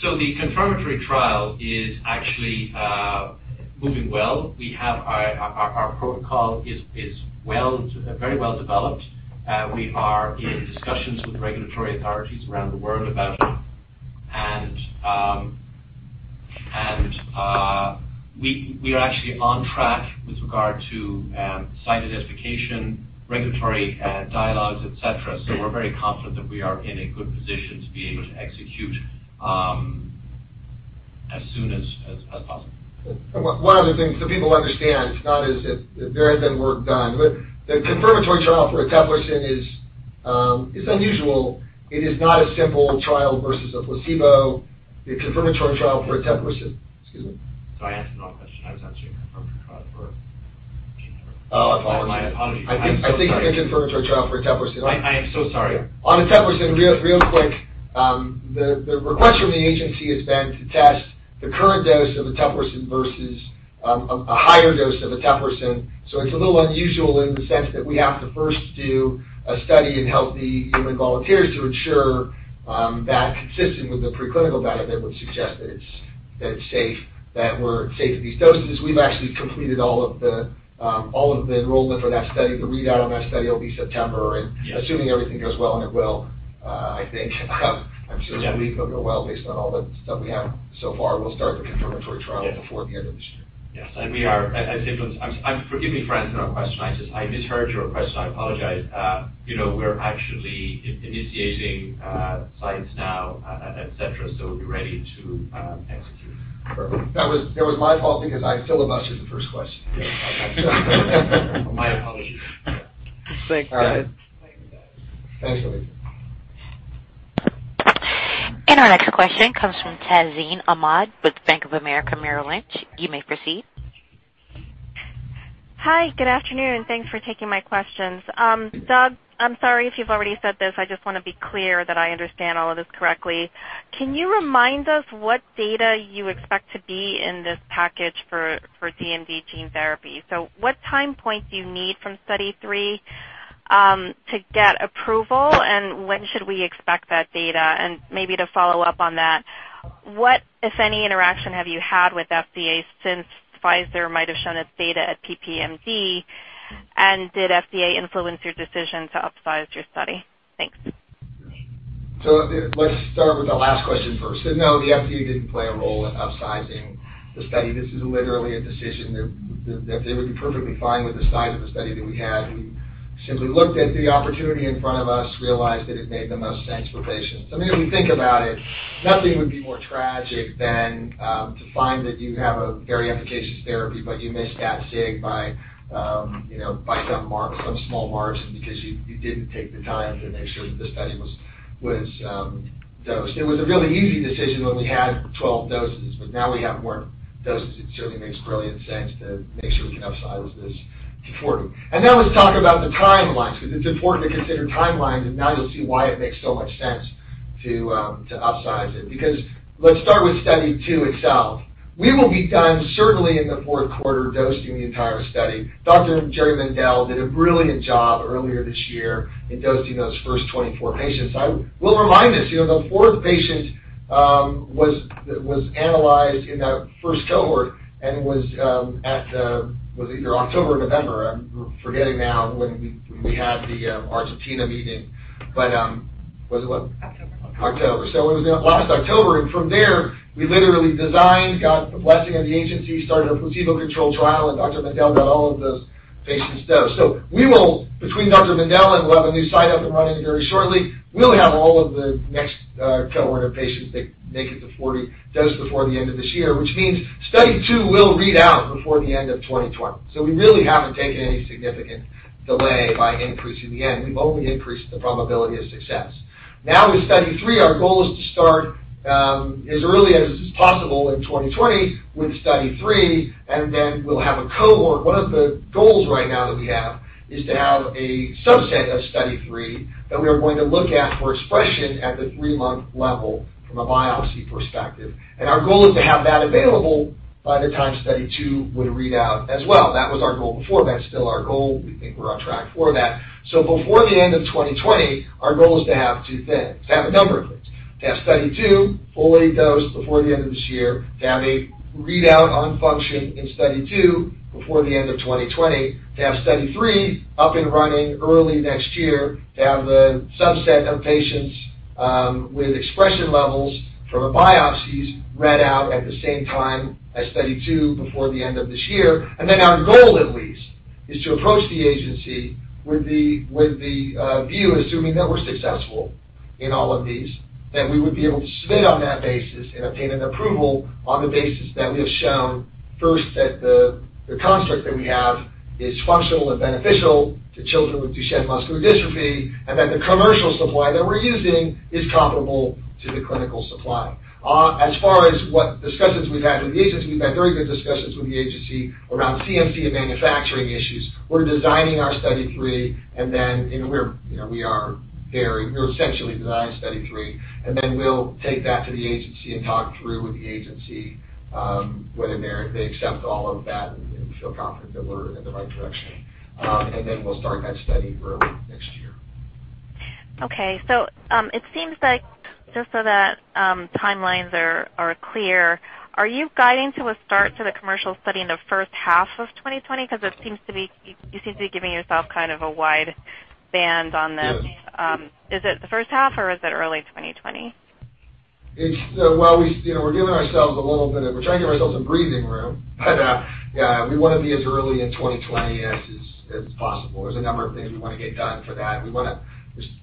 The confirmatory trial is actually moving well. Our protocol is very well developed. We are in discussions with regulatory authorities around the world about it, and we are actually on track with regard to site identification, regulatory dialogues, et cetera. We're very confident that we are in a good position to be able to execute as soon as possible. One other thing, people understand, it's not as if there has been work done. The confirmatory trial for eteplirsen is unusual. It is not a simple trial versus a placebo. Excuse me? Sorry, I answered the wrong question. I was answering confirmatory trial for gene therapy. Oh, apologies. My apologies. I'm so sorry. I think the confirmatory trial for eteplirsen. I am so sorry. On eteplirsen, real quick. The request from the agency has been to test the current dose of eteplirsen versus a higher dose of eteplirsen. It's a little unusual in the sense that we have to first do a study in healthy human volunteers to ensure that consistent with the preclinical data that would suggest that it's safe, that we're safe at these doses. We've actually completed all of the enrollment for that study. The readout on that study will be September, and assuming everything goes well, and it will, I think I'm sure this week will go well based on all the stuff we have so far. We'll start the confirmatory trial before the end of this year. Yes. Forgive me for asking that question. I just misheard your question. I apologize. We're actually initiating sites now, et cetera, so we'll be ready to execute. Perfect. That was my fault because I filibustered the first question. My apologies. Thanks, guys. Thanks, Olivia. Our next question comes from Tazeen Ahmad with Bank of America Merrill Lynch. You may proceed. Hi, good afternoon. Thanks for taking my questions. Doug, I'm sorry if you've already said this, I just want to be clear that I understand all of this correctly. Can you remind us what data you expect to be in this package for DMD gene therapy? What time point do you need from Study 3 to get approval, and when should we expect that data? Maybe to follow up on that, what, if any, interaction have you had with FDA since Pfizer might have shown its data at PPMD, and did FDA influence your decision to upsize your study? Thanks. Let's start with the last question first. No, the FDA didn't play a role in upsizing the study. This is literally a decision that they would be perfectly fine with the size of the study that we had. We simply looked at the opportunity in front of us, realized that it made the most sense for patients. I mean, if we think about it, nothing would be more tragic than to find that you have a very efficacious therapy, but you missed that gig by some small margin because you didn't take the time to make sure that the study was dosed. It was a really easy decision when we had 12 doses. Now we have more doses, it certainly makes brilliant sense to make sure we can upsize this to 40. Now let's talk about the timelines, because it's important to consider timelines, and now you'll see why it makes so much sense to upsize it. Let's start with Study 102 itself. We will be done certainly in the fourth quarter dosing the entire study. Dr. Jerry Mendell did a brilliant job earlier this year in dosing those first 24 patients. I will remind us, the fourth patient was analyzed in that first cohort and was at it was either October or November. I'm forgetting now when we had the Argentina meeting. Was it what? October. October. It was last October, and from there, we literally designed, got the blessing of the agency, started a placebo-controlled trial, and Dr. Mendell got all of those patients dosed. We will, between Dr. Mendell and we'll have a new site up and running very shortly, we'll have all of the next cohort of patients that make it to 40 dosed before the end of this year, which means Study Two will read out before the end of 2020. We really haven't taken any significant delay by increasing the N. We've only increased the probability of success. With Study Three, our goal is to start as early as possible in 2020 with Study Three, and then we'll have a cohort. One of the goals right now that we have is to have a subset of Study 3 that we are going to look at for expression at the 3-month level from a biopsy perspective. Our goal is to have that available by the time Study 2 would read out as well. That was our goal before. That's still our goal. We think we're on track for that. Before the end of 2020, our goal is to have a number of things. To have Study 2 fully dosed before the end of this year, to have a readout on function in Study 2 before the end of 2020, to have Study 3 up and running early next year, to have the subset of patients with expression levels from the biopsies read out at the same time as Study 2, before the end of this year. Our goal, at least, is to approach the agency with the view, assuming that we're successful in all of these, that we would be able to submit on that basis and obtain an approval on the basis that we have shown first that the construct that we have is functional and beneficial to children with Duchenne muscular dystrophy, and that the commercial supply that we're using is comparable to the clinical supply. As far as what discussions we've had with the agency, we've had very good discussions with the agency around CMC and manufacturing issues. We're designing our Study 3, and then we're essentially designing Study 3, and then we'll take that to the agency and talk through with the agency whether they accept all of that, and we feel confident that we're in the right direction. We'll start that study early next year. Okay. It seems like, just so that timelines are clear, are you guiding to a start to the commercial study in the first half of 2020? Because you seem to be giving yourself kind of a wide band on this. Yes. Is it the first half, or is it early 2020? We're trying to give ourselves some breathing room. Yeah, we want to be as early in 2020 as is possible. There's a number of things we want to get done for that.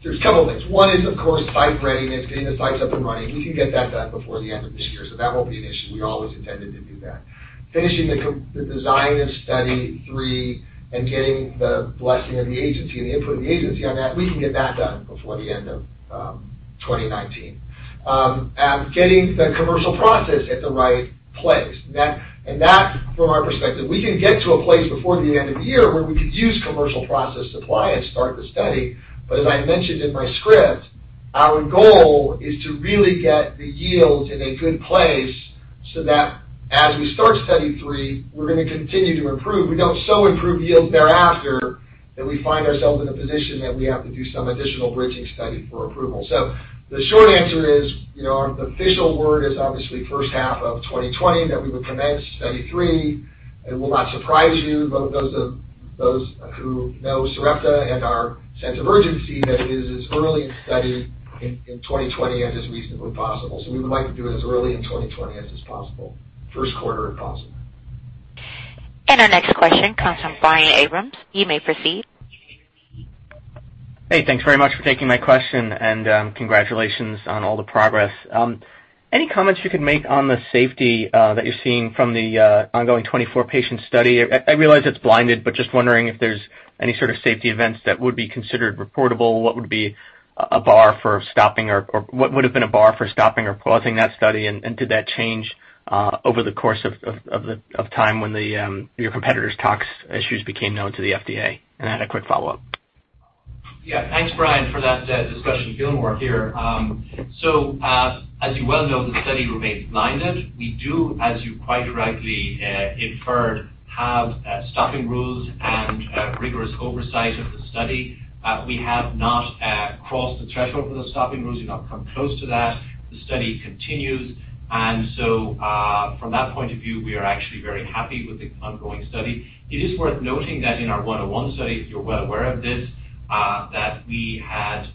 There's a couple of things. One is, of course, site readiness, getting the sites up and running. We can get that done before the end of this year, so that won't be an issue. We always intended to do that. Finishing the design of Study 3 and getting the blessing of the agency and the input of the agency on that, we can get that done before the end of 2019. Getting the commercial process at the right place. That, from our perspective, we can get to a place before the end of the year where we could use commercial process supply and start the study. As I mentioned in my script, our goal is to really get the yields in a good place so that as we start Study 3, we're going to continue to improve. We don't so improve yields thereafter that we find ourselves in a position that we have to do some additional bridging study for approval. The short answer is, our official word is obviously first half of 2020 that we would commence Study 3. It will not surprise you, those who know Sarepta and our sense of urgency, that it is as early in study in 2020 as is reasonably possible. We would like to do it as early in 2020 as is possible, first quarter if possible. Our next question comes from Brian Abrahams. You may proceed. Hey, thanks very much for taking my question. Congratulations on all the progress. Any comments you could make on the safety that you're seeing from the ongoing 24-patient study? I realize it's blinded, just wondering if there's any sort of safety events that would be considered reportable, what would have been a bar for stopping or pausing that study, and did that change over the course of time when your competitor's tox issues became known to the FDA? I had a quick follow-up. Yeah. Thanks, Brian, for that discussion. Gilmore here. As you well know, the study remains blinded. We do, as you quite rightly inferred, have stopping rules and rigorous oversight of the study. We have not crossed the threshold for the stopping rules. We've not come close to that. The study continues, from that point of view, we are actually very happy with the ongoing study. It is worth noting that in our Study 101, if you're well aware of this, that we had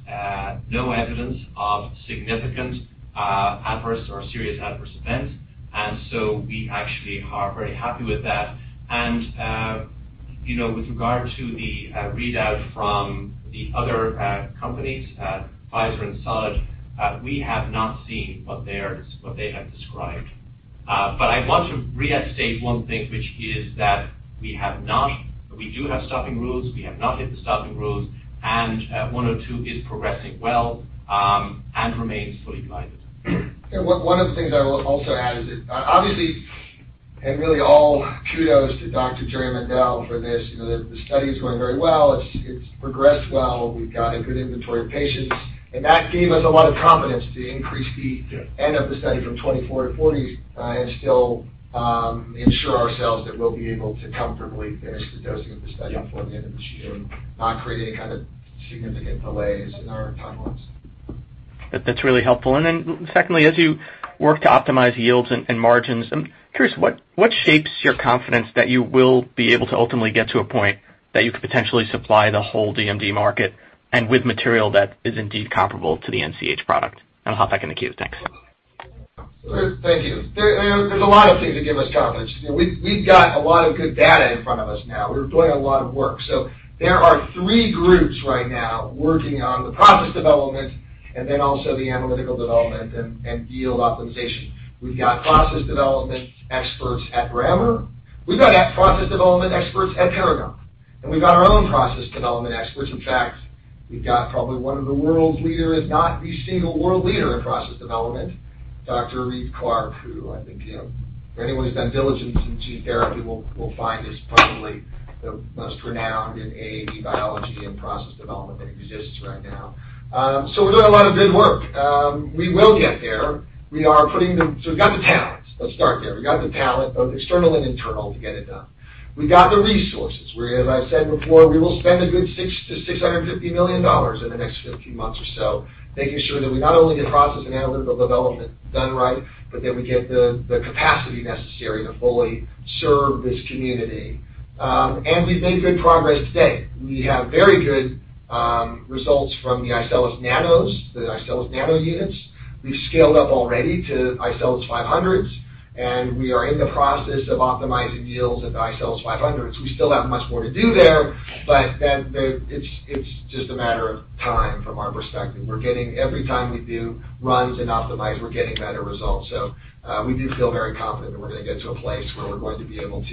no evidence of significant adverse or serious adverse events, we actually are very happy with that. With regard to the readout from the other companies, Pfizer and Sage, we have not seen what they have described. I want to restate one thing, which is that we do have stopping rules. We have not hit the stopping rules, and 102 is progressing well and remains fully blinded. One of the things I will also add is that obviously, and really all kudos to Dr. Jerry Mendell for this. The study is going very well. It's progressed well. We've got a good inventory of patients, and that gave us a lot of confidence to increase the Yeah end of the study from 24 to 40 and still ensure ourselves that we'll be able to comfortably finish the dosing of the study. Yeah before the end of this year and not create any kind of significant delays in our timelines. That's really helpful. Then secondly, as you work to optimize yields and margins, I'm curious, what shapes your confidence that you will be able to ultimately get to a point that you could potentially supply the whole DMD market, and with material that is indeed comparable to the NCH product? I'll hop back in the queue. Thanks. Thank you. There's a lot of things that give us confidence. We've got a lot of good data in front of us now. We're doing a lot of work. There are three groups right now working on the process development and then also the analytical development and yield optimization. We've got process development experts at Brammer. We've got process development experts at Paragon, and we've got our own process development experts. In fact, we've got probably one of the world's leader, if not the single world leader in process development, Dr. Reed Clark, who I think for anyone who's done diligence in gene therapy will find is probably the most renowned in AAV biology and process development that exists right now. We're doing a lot of good work. We will get there. We've got the talent, let's start there. We've got the talent, both external and internal, to get it done. We've got the resources, where, as I said before, we will spend a good $600 million to $650 million in the next 15 months or so, making sure that we not only get process and analytical development done right, but that we get the capacity necessary to fully serve this community. We've made good progress today. We have very good results from the iCELLis Nanos, the iCELLis Nano units. We've scaled up already to iCELLis 500s, we are in the process of optimizing yields of the iCELLis 500s. We still have much more to do there, it's just a matter of time from our perspective. Every time we do runs and optimize, we're getting better results. We do feel very confident that we're going to get to a place where we're going to be able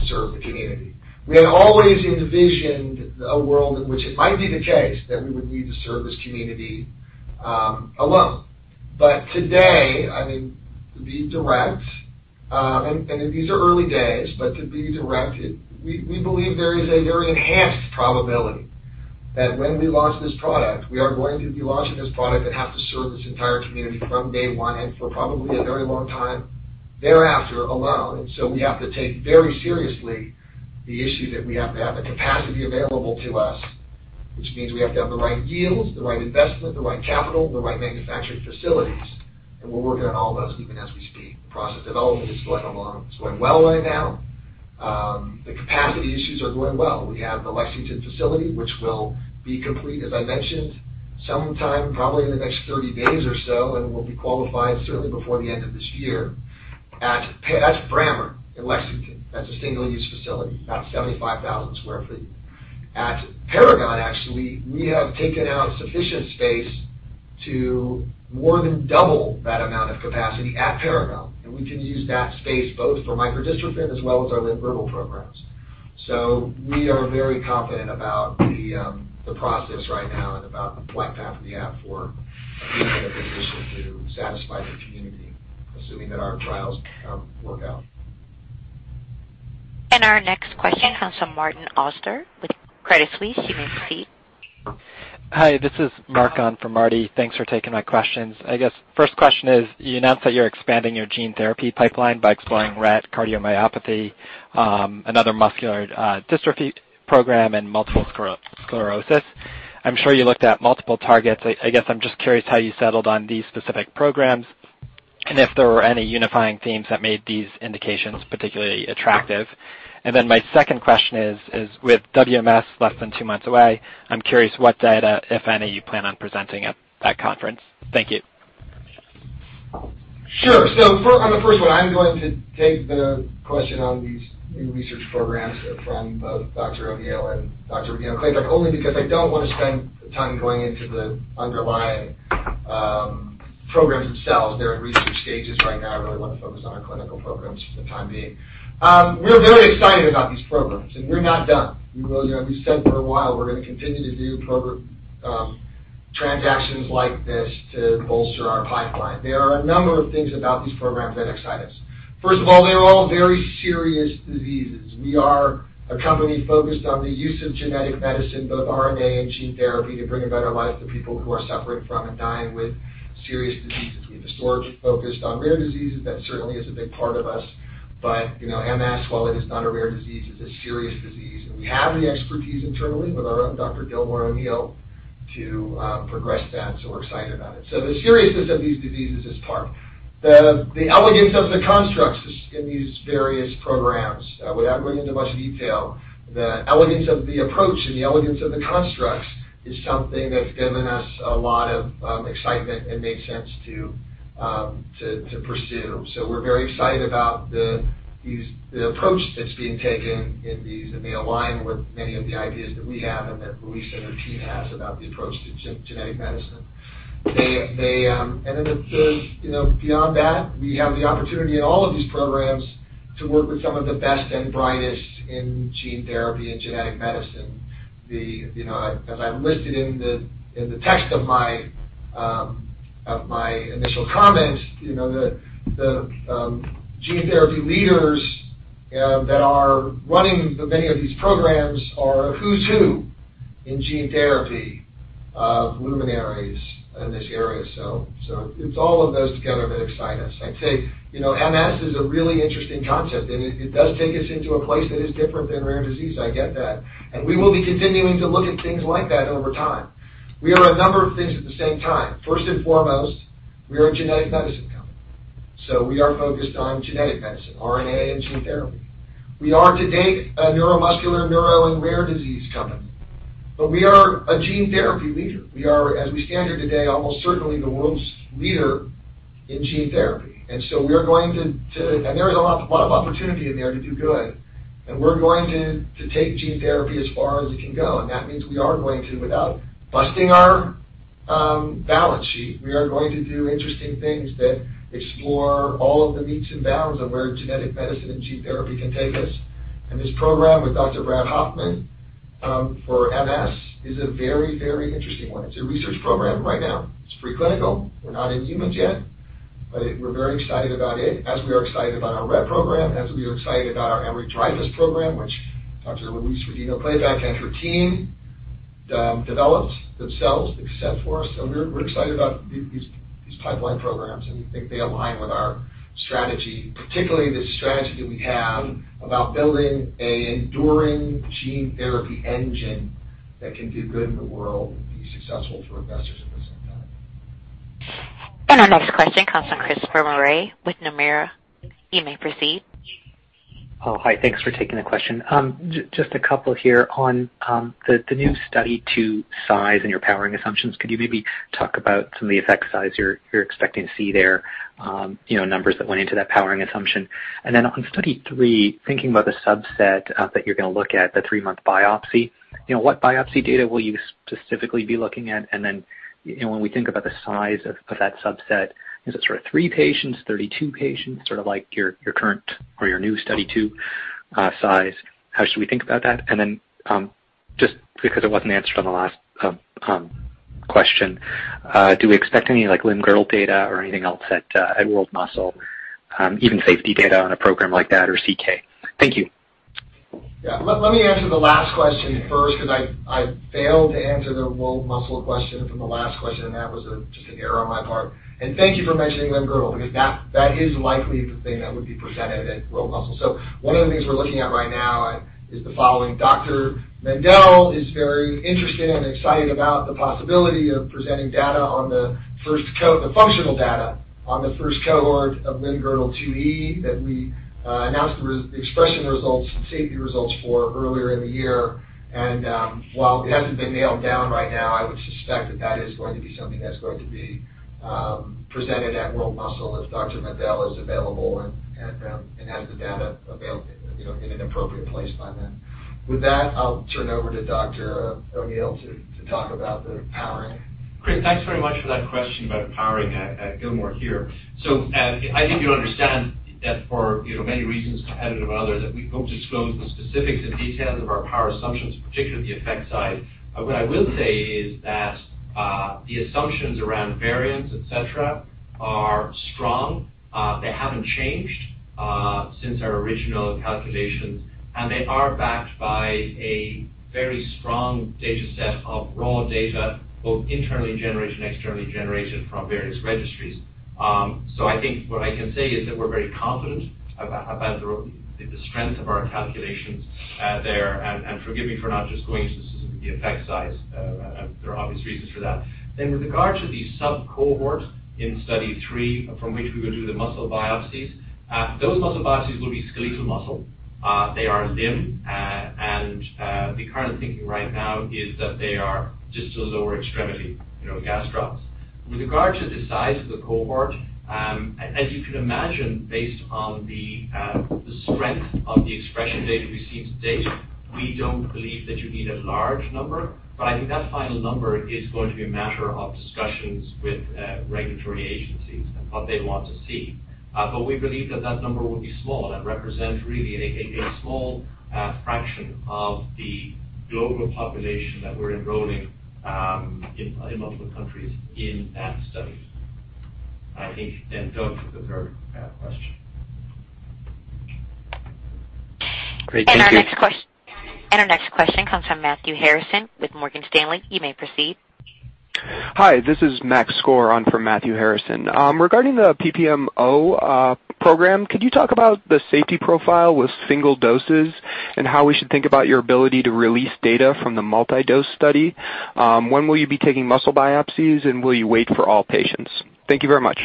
to serve the community. We had always envisioned a world in which it might be the case that we would need to serve this community alone. Today, to be direct, and these are early days, but to be direct, we believe there is a very enhanced probability that when we launch this product, we are going to be launching this product that has to serve this entire community from day one and for probably a very long time thereafter alone. We have to take very seriously the issue that we have to have the capacity available to us, which means we have to have the right yields, the right investment, the right capital, the right manufacturing facilities, and we're working on all those even as we speak. Process development is going along. It's going well right now. The capacity issues are going well. We have the Lexington facility, which will be complete, as I mentioned, sometime probably in the next 30 days or so, and we'll be qualified certainly before the end of this year. That's Brammer in Lexington. That's a single-use facility, about 75,000 square feet. At Paragon, actually, we have taken out sufficient space to more than double that amount of capacity at Paragon, and we can use that space both for microdystrophin as well as our limb-girdle programs. We are very confident about the process right now and about the flight path we have for being able to produce enough to satisfy the community, assuming that our trials work out. Our next question comes from Martin Auster with Credit Suisse. You may proceed. Hi, this is Martin. Thanks for taking my questions. I guess first question is, you announced that you're expanding your gene therapy pipeline by exploring Rett Cardiomyopathy, another muscular dystrophy program, and multiple sclerosis. I'm sure you looked at multiple targets. I guess I'm just curious how you settled on these specific programs and if there were any unifying themes that made these indications particularly attractive. My second question is, with WMS less than two months away, I'm curious what data, if any, you plan on presenting at that conference. Thank you. Sure. On the first one, I'm going to take the question on these new research programs from both Dr. O'Neill and Dr. Louise Rodino-Klapac only because I don't want to spend time going into the underlying programs themselves. They're in research stages right now. I really want to focus on our clinical programs for the time being. We're very excited about these programs, and we're not done. We said for a while we're going to continue to do program transactions like this to bolster our pipeline. There are a number of things about these programs that excite us. First of all, they're all very serious diseases. We are a company focused on the use of genetic medicine, both RNA and gene therapy, to bring a better life to people who are suffering from and dying with serious diseases. We have historically focused on rare diseases. That certainly is a big part of us. MS, while it is not a rare disease, is a serious disease, and we have the expertise internally with our own Dr. Gilmore O'Neill to progress that. We're excited about it. The seriousness of these diseases is part. The elegance of the constructs in these various programs. Without going into much detail, the elegance of the approach and the elegance of the constructs is something that's given us a lot of excitement and made sense to pursue. We're very excited about the approach that's being taken in these, and they align with many of the ideas that we have and that Louise and her team has about the approach to genetic medicine. Beyond that, we have the opportunity in all of these programs to work with some of the best and brightest in gene therapy and genetic medicine. As I listed in the text of my initial comments, the gene therapy leaders that are running many of these programs are who's who in gene therapy, luminaries in this area. It's all of those together that excite us. I'd say MS is a really interesting concept, and it does take us into a place that is different than rare disease. I get that. We will be continuing to look at things like that over time. We are a number of things at the same time. First and foremost, we are a genetic medicine company, so we are focused on genetic medicine, RNA and gene therapy. We are to date a neuromuscular, neural, and rare disease company, but we are a gene therapy leader. We are, as we stand here today, almost certainly the world's leader in gene therapy. There is a lot of opportunity in there to do good. We're going to take gene therapy as far as it can go. That means we are going to, without busting our balance sheet, we are going to do interesting things that explore all of the meats and bounds of where genetic medicine and gene therapy can take us. This program with Dr. Brad Hoffman for MS is a very, very interesting one. It's a research program right now. It's pre-clinical. We're not in humans yet, but we're very excited about it, as we are excited about our Rett program, as we are excited about our Emery-Dreifuss program, which Dr. Louise Rodino-Klapac and her team developed themselves except for us. We're excited about these pipeline programs, and we think they align with our strategy, particularly the strategy that we have about building an enduring gene therapy engine that can do good in the world and be successful for investors over time. Our next question comes from Christopher Marai with Nomura. You may proceed. Oh, hi. Thanks for taking the question. Just a couple here on the new study to size and your powering assumptions. Could you maybe talk about some of the effect size you're expecting to see there, numbers that went into that powering assumption? On Study 3, thinking about the subset that you're going to look at, the three-month biopsy, what biopsy data will you specifically be looking at? When we think about the size of that subset, is it sort of 30 patients, 32 patients, sort of like your current or your new Study 2 size? How should we think about that? Just because it wasn't answered on the last question, do we expect any limb-girdle data or anything else at World Muscle, even safety data on a program like that or CK? Thank you. Yeah. Let me answer the last question first because I failed to answer the World Muscle question from the last question, that was just an error on my part. Thank you for mentioning limb-girdle because that is likely the thing that would be presented at World Muscle. One of the things we're looking at right now is the following. Dr. Mendell is very interested and excited about the possibility of presenting data on the functional data on the first cohort of limb-girdle 2E that we announced the expression results and safety results for earlier in the year. While it hasn't been nailed down right now, I would suspect that that is going to be something that's going to be presented at World Muscle as Dr. Mendell is available and has the data available in an appropriate place by then. With that, I'll turn it over to Dr. O'Neill to talk about the powering. Chris, thanks very much for that question about powering at Gilmore here. I think you understand that for many reasons, competitive and other, that we won't disclose the specifics and details of our power assumptions, particularly the effect size. What I will say is that the assumptions around variance, et cetera, are strong. They haven't changed since our original calculations, and they are backed by a very strong data set of raw data, both internally generated and externally generated from various registries. I think what I can say is that we're very confident about the strength of our calculations there. Forgive me for not just going into the effect size. There are obvious reasons for that. With regard to the sub-cohort in Study 3 from which we will do the muscle biopsies, those muscle biopsies will be skeletal muscle. They are limb, and the current thinking right now is that they are distal lower extremity gastrocs. With regard to the size of the cohort, as you can imagine, based on the strength of the expression data we've seen to date, we don't believe that you need a large number. I think that final number is going to be a matter of discussions with regulatory agencies and what they want to see. We believe that that number will be small. That represents really a small fraction of the global population that we're enrolling in multiple countries in that study. I think done with the third question. Great. Thank you. Our next question comes from Matthew Harrison with Morgan Stanley. You may proceed. Hi, this is Max Score on for Matthew Harrison. Regarding the PPMO program, could you talk about the safety profile with single doses and how we should think about your ability to release data from the multi-dose study? When will you be taking muscle biopsies, and will you wait for all patients? Thank you very much.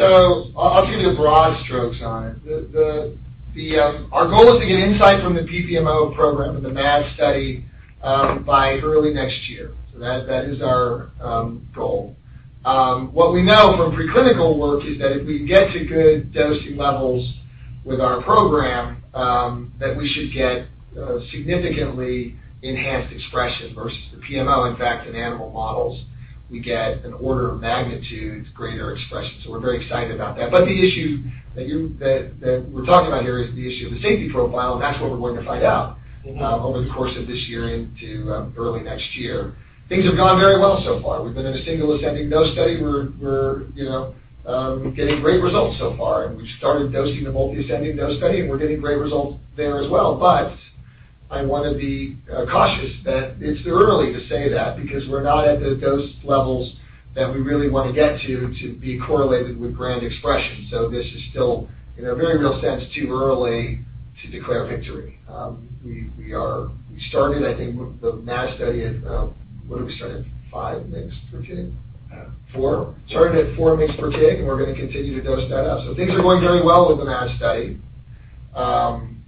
I'll give you the broad strokes on it. Our goal is to get insight from the PPMO program and the MAD study by early next year. That is our goal. What we know from preclinical work is that if we get to good dosing levels with our program, that we should get significantly enhanced expression versus the PMO. In fact, in animal models, we get an order of magnitude greater expression. We're very excited about that. The issue that we're talking about here is the issue of the safety profile, and that's what we're going to find out over the course of this year into early next year. Things have gone very well so far. We've been in a single ascending dose study. We're getting great results so far, and we've started dosing the multi-ascending dose study, and we're getting great results there as well. I want to be cautious that it's too early to say that because we're not at the dose levels that we really want to get to be correlated with micro-dystrophin expression. This is still, in a very real sense, too early to declare victory. We started, I think, the MAD study at, what did we start at? 5 mgs per kg? Four. Four. Started at 4 mgs per kg, and we're going to continue to dose that up. Things are going very well with the MAD study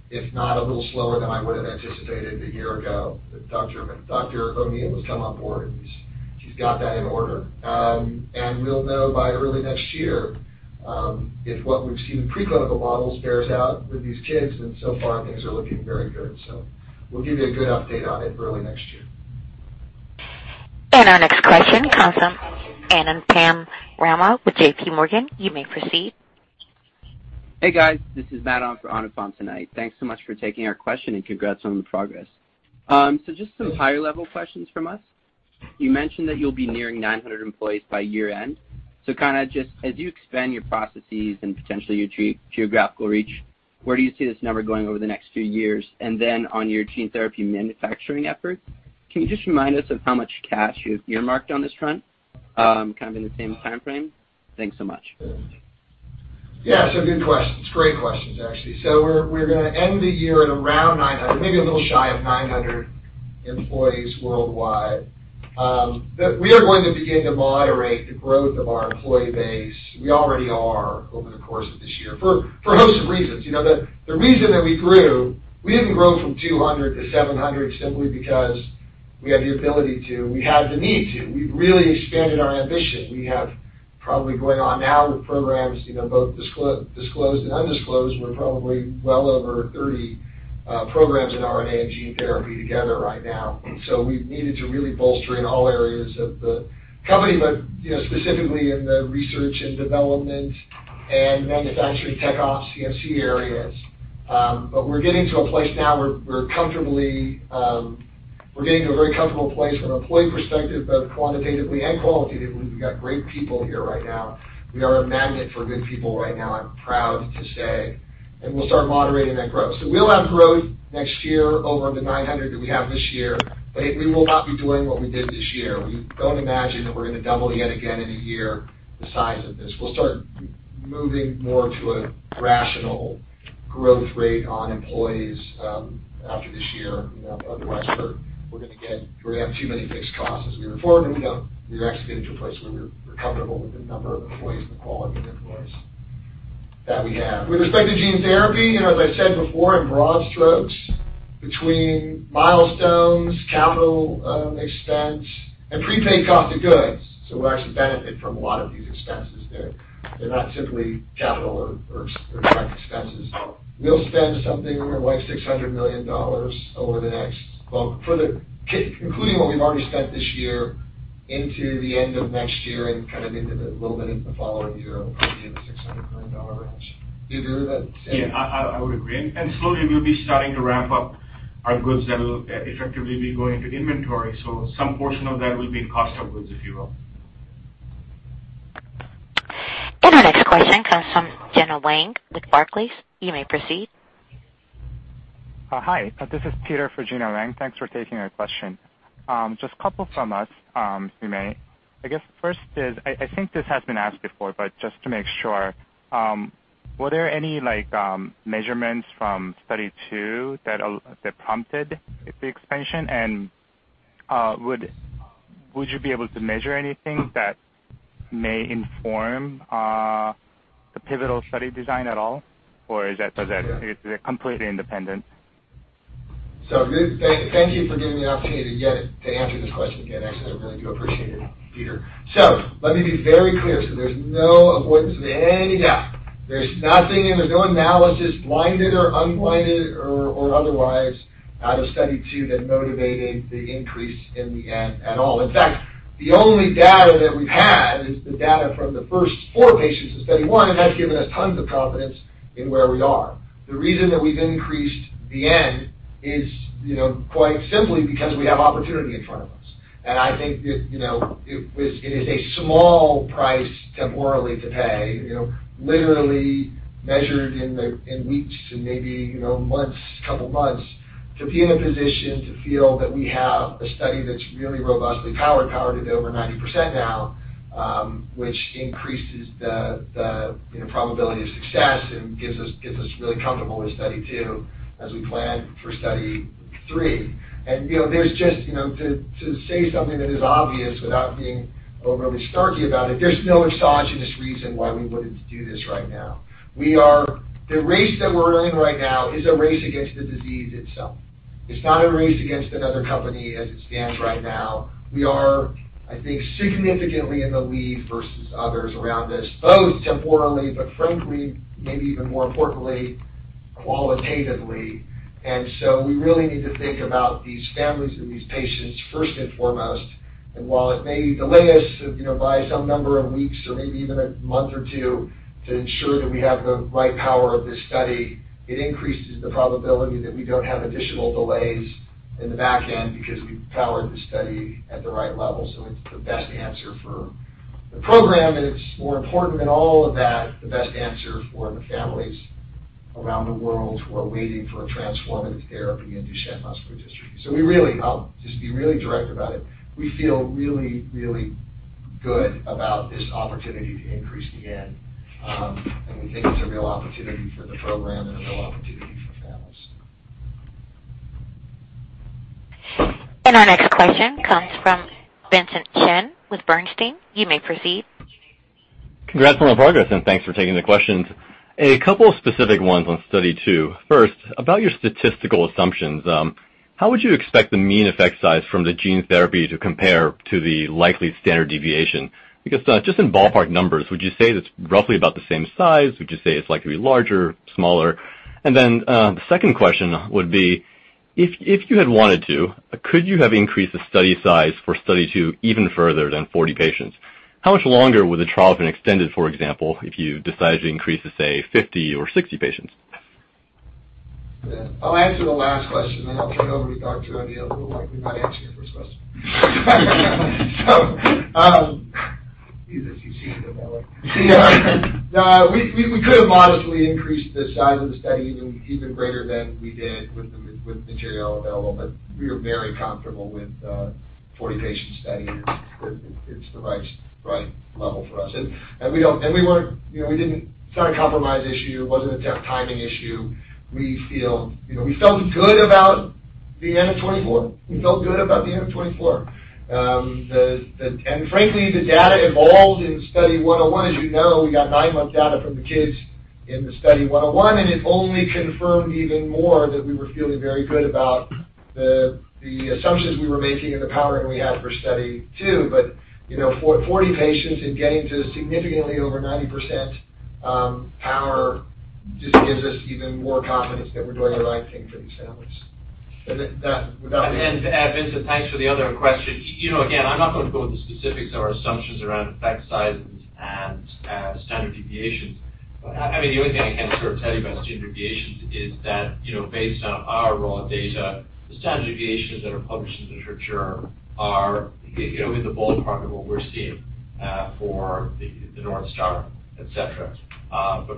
if not a little slower than I would have anticipated a year ago. Dr. O'Neill has come on board, and she's got that in order. We'll know by early next year if what we've seen in preclinical models bears out with these kids, and so far things are looking very good. We'll give you a good update on it early next year. Our next question comes from Anupam Rama with JPMorgan. You may proceed. Hey, guys. This is Matt on for Ananth tonight. Thanks so much for taking our question. Congrats on the progress. Just some higher-level questions from us. You mentioned that you'll be nearing 900 employees by year-end. Kind of just as you expand your processes and potentially your geographical reach, where do you see this number going over the next few years? On your gene therapy manufacturing efforts, can you just remind us of how much cash you've earmarked on this front, kind of in the same timeframe? Thanks so much. Good questions. Great questions, actually. We're going to end the year at around 900, maybe a little shy of 900 employees worldwide. We are going to begin to moderate the growth of our employee base. We already are over the course of this year for a host of reasons. The reason that we grew, we didn't grow from 200 to 700 simply because we had the ability to. We had the need to. We've really expanded our ambition. We have probably going on now with programs, both disclosed and undisclosed. We're probably well over 30 programs in RNA and gene therapy together right now. We've needed to really bolster in all areas of the company, but specifically in the research and development and manufacturing tech ops, CMC areas. We're getting to a place now where we're getting to a very comfortable place from an employee perspective, both quantitatively and qualitatively. We've got great people here right now. We are a magnet for good people right now, I'm proud to say, and we'll start moderating that growth. We'll have growth next year over the 900 that we have this year, but we will not be doing what we did this year. Don't imagine that we're going to double yet again in a year the size of this. We'll start moving more to a rational growth rate on employees after this year. Otherwise, we're going to have too many fixed costs as we move forward, and we don't. We're actually getting to a place where we're comfortable with the number of employees and the quality of employees that we have. With respect to gene therapy, as I said before, in broad strokes, between milestones, capital expense, and prepaid cost of goods. We'll actually benefit from a lot of these expenses. They're not simply capital or direct expenses. We'll spend something like $600 million over the next, well, including what we've already spent this year into the end of next year and into a little bit of the following year, probably in the $600 million range. Do you agree with that, Sandy? Yeah, I would agree. Slowly, we'll be starting to ramp up our goods that will effectively be going to inventory. Some portion of that will be in cost of goods, if you will. Our next question comes from Gena Wang with Barclays. You may proceed. Hi, this is Peter for Gena Wang. Thanks for taking our question. A couple from us, Sumit. I guess first is, I think this has been asked before, but just to make sure. Were there any measurements from Study 102 that prompted the expansion? Would you be able to measure anything that may inform the pivotal study design at all? Is it completely independent? Thank you for giving me an opportunity to answer this question again. Actually, I really do appreciate it, Peter. Let me be very clear, so there's no avoidance of any doubt. There's nothing, there's no analysis, blinded or unblinded or otherwise out of Study 2 that motivated the increase in the N at all. In fact, the only data that we've had is the data from the first four patients in Study 1, and that's given us tons of confidence in where we are. The reason that we've increased the N is quite simply because we have opportunity in front of us. I think that it is a small price temporally to pay, literally measured in weeks and maybe months, a couple of months, to be in a position to feel that we have a study that's really robustly powered. Powered to be over 90% now, which increases the probability of success and gets us really comfortable with Study 2 as we plan for Study 3. To say something that is obvious without being overly starchy about it, there's no exogenous reason why we wouldn't do this right now. The race that we're in right now is a race against the disease itself. It's not a race against another company as it stands right now. We are, I think, significantly in the lead versus others around this, both temporally, but frankly, maybe even more importantly, qualitatively. We really need to think about these families and these patients first and foremost. While it may delay us by some number of weeks or maybe even a month or two to ensure that we have the right power of this study, it increases the probability that we don't have additional delays in the back end because we've powered the study at the right level. It's the best answer for the program, and it's more important than all of that, the best answer for the families around the world who are waiting for a transformative therapy in Duchenne muscular dystrophy. I'll just be really direct about it. We feel really, really good about this opportunity to increase the N, and we think it's a real opportunity for the program and a real opportunity for families. Our next question comes from Vincent Chen with Bernstein. You may proceed. Congrats on the progress. Thanks for taking the questions. A couple of specific ones on Study 2. First, about your statistical assumptions. How would you expect the mean effect size from the gene therapy to compare to the likely standard deviation? Just in ballpark numbers, would you say that's roughly about the same size? Would you say it's likely larger, smaller? The second question would be, if you had wanted to, could you have increased the study size for Study 2 even further than 40 patients? How much longer would the trial have been extended, for example, if you decided to increase to, say, 50 or 60 patients? I'll answer the last question, then I'll turn it over to Siyamak Abdi. I feel like we've been answering your first question. You just keep seeing the. Yeah. No, we could have modestly increased the size of the study even greater than we did with the material available, but we were very comfortable with the 40-patient study. It's the right level for us. It's not a compromise issue. It wasn't a timing issue. We felt good about the end of 2024. We felt good about the end of 2024. Frankly, the data evolved in Study 101. As you know, we got nine months of data from the kids in the Study 101, and it only confirmed even more that we were feeling very good about the assumptions we were making and the powering we had for Study 2. 40 patients and getting to significantly over 90% power just gives us even more confidence that we're doing the right thing for these families. Vincent, thanks for the other question. Again, I'm not going to go into the specifics of our assumptions around effect sizes and standard deviations. The only thing I can sort of tell you about standard deviations is that based on our raw data, the standard deviations that are published in the literature are in the ballpark of what we're seeing for the North Star, et cetera.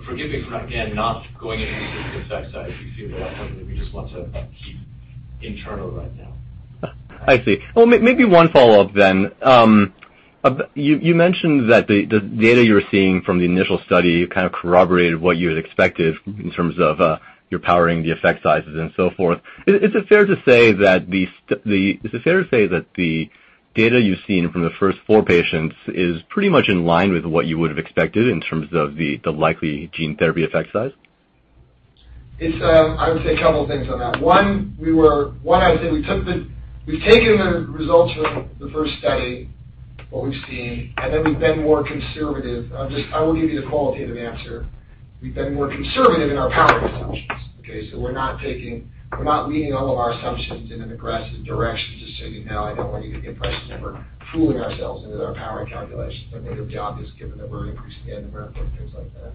Forgive me for, again, not going into the specific effect size. These are things that we just want to keep internal right now. I see. Well, maybe one follow-up then. You mentioned that the data you were seeing from the initial study corroborated what you had expected in terms of your powering, the effect sizes, and so forth. Is it fair to say that the data you've seen from the first four patients is pretty much in line with what you would have expected in terms of the likely gene therapy effect size? I would say a couple things on that. One, I would say we've taken the results from the first study, what we've seen, and then we've been more conservative. I will give you the qualitative answer. We've been more conservative in our powering assumptions. We're not leaning all of our assumptions in an aggressive direction just you know, I don't want you to get the impression that we're fooling ourselves into our power calculations. I think they're justified given that we're an increased spend and therefore things like that.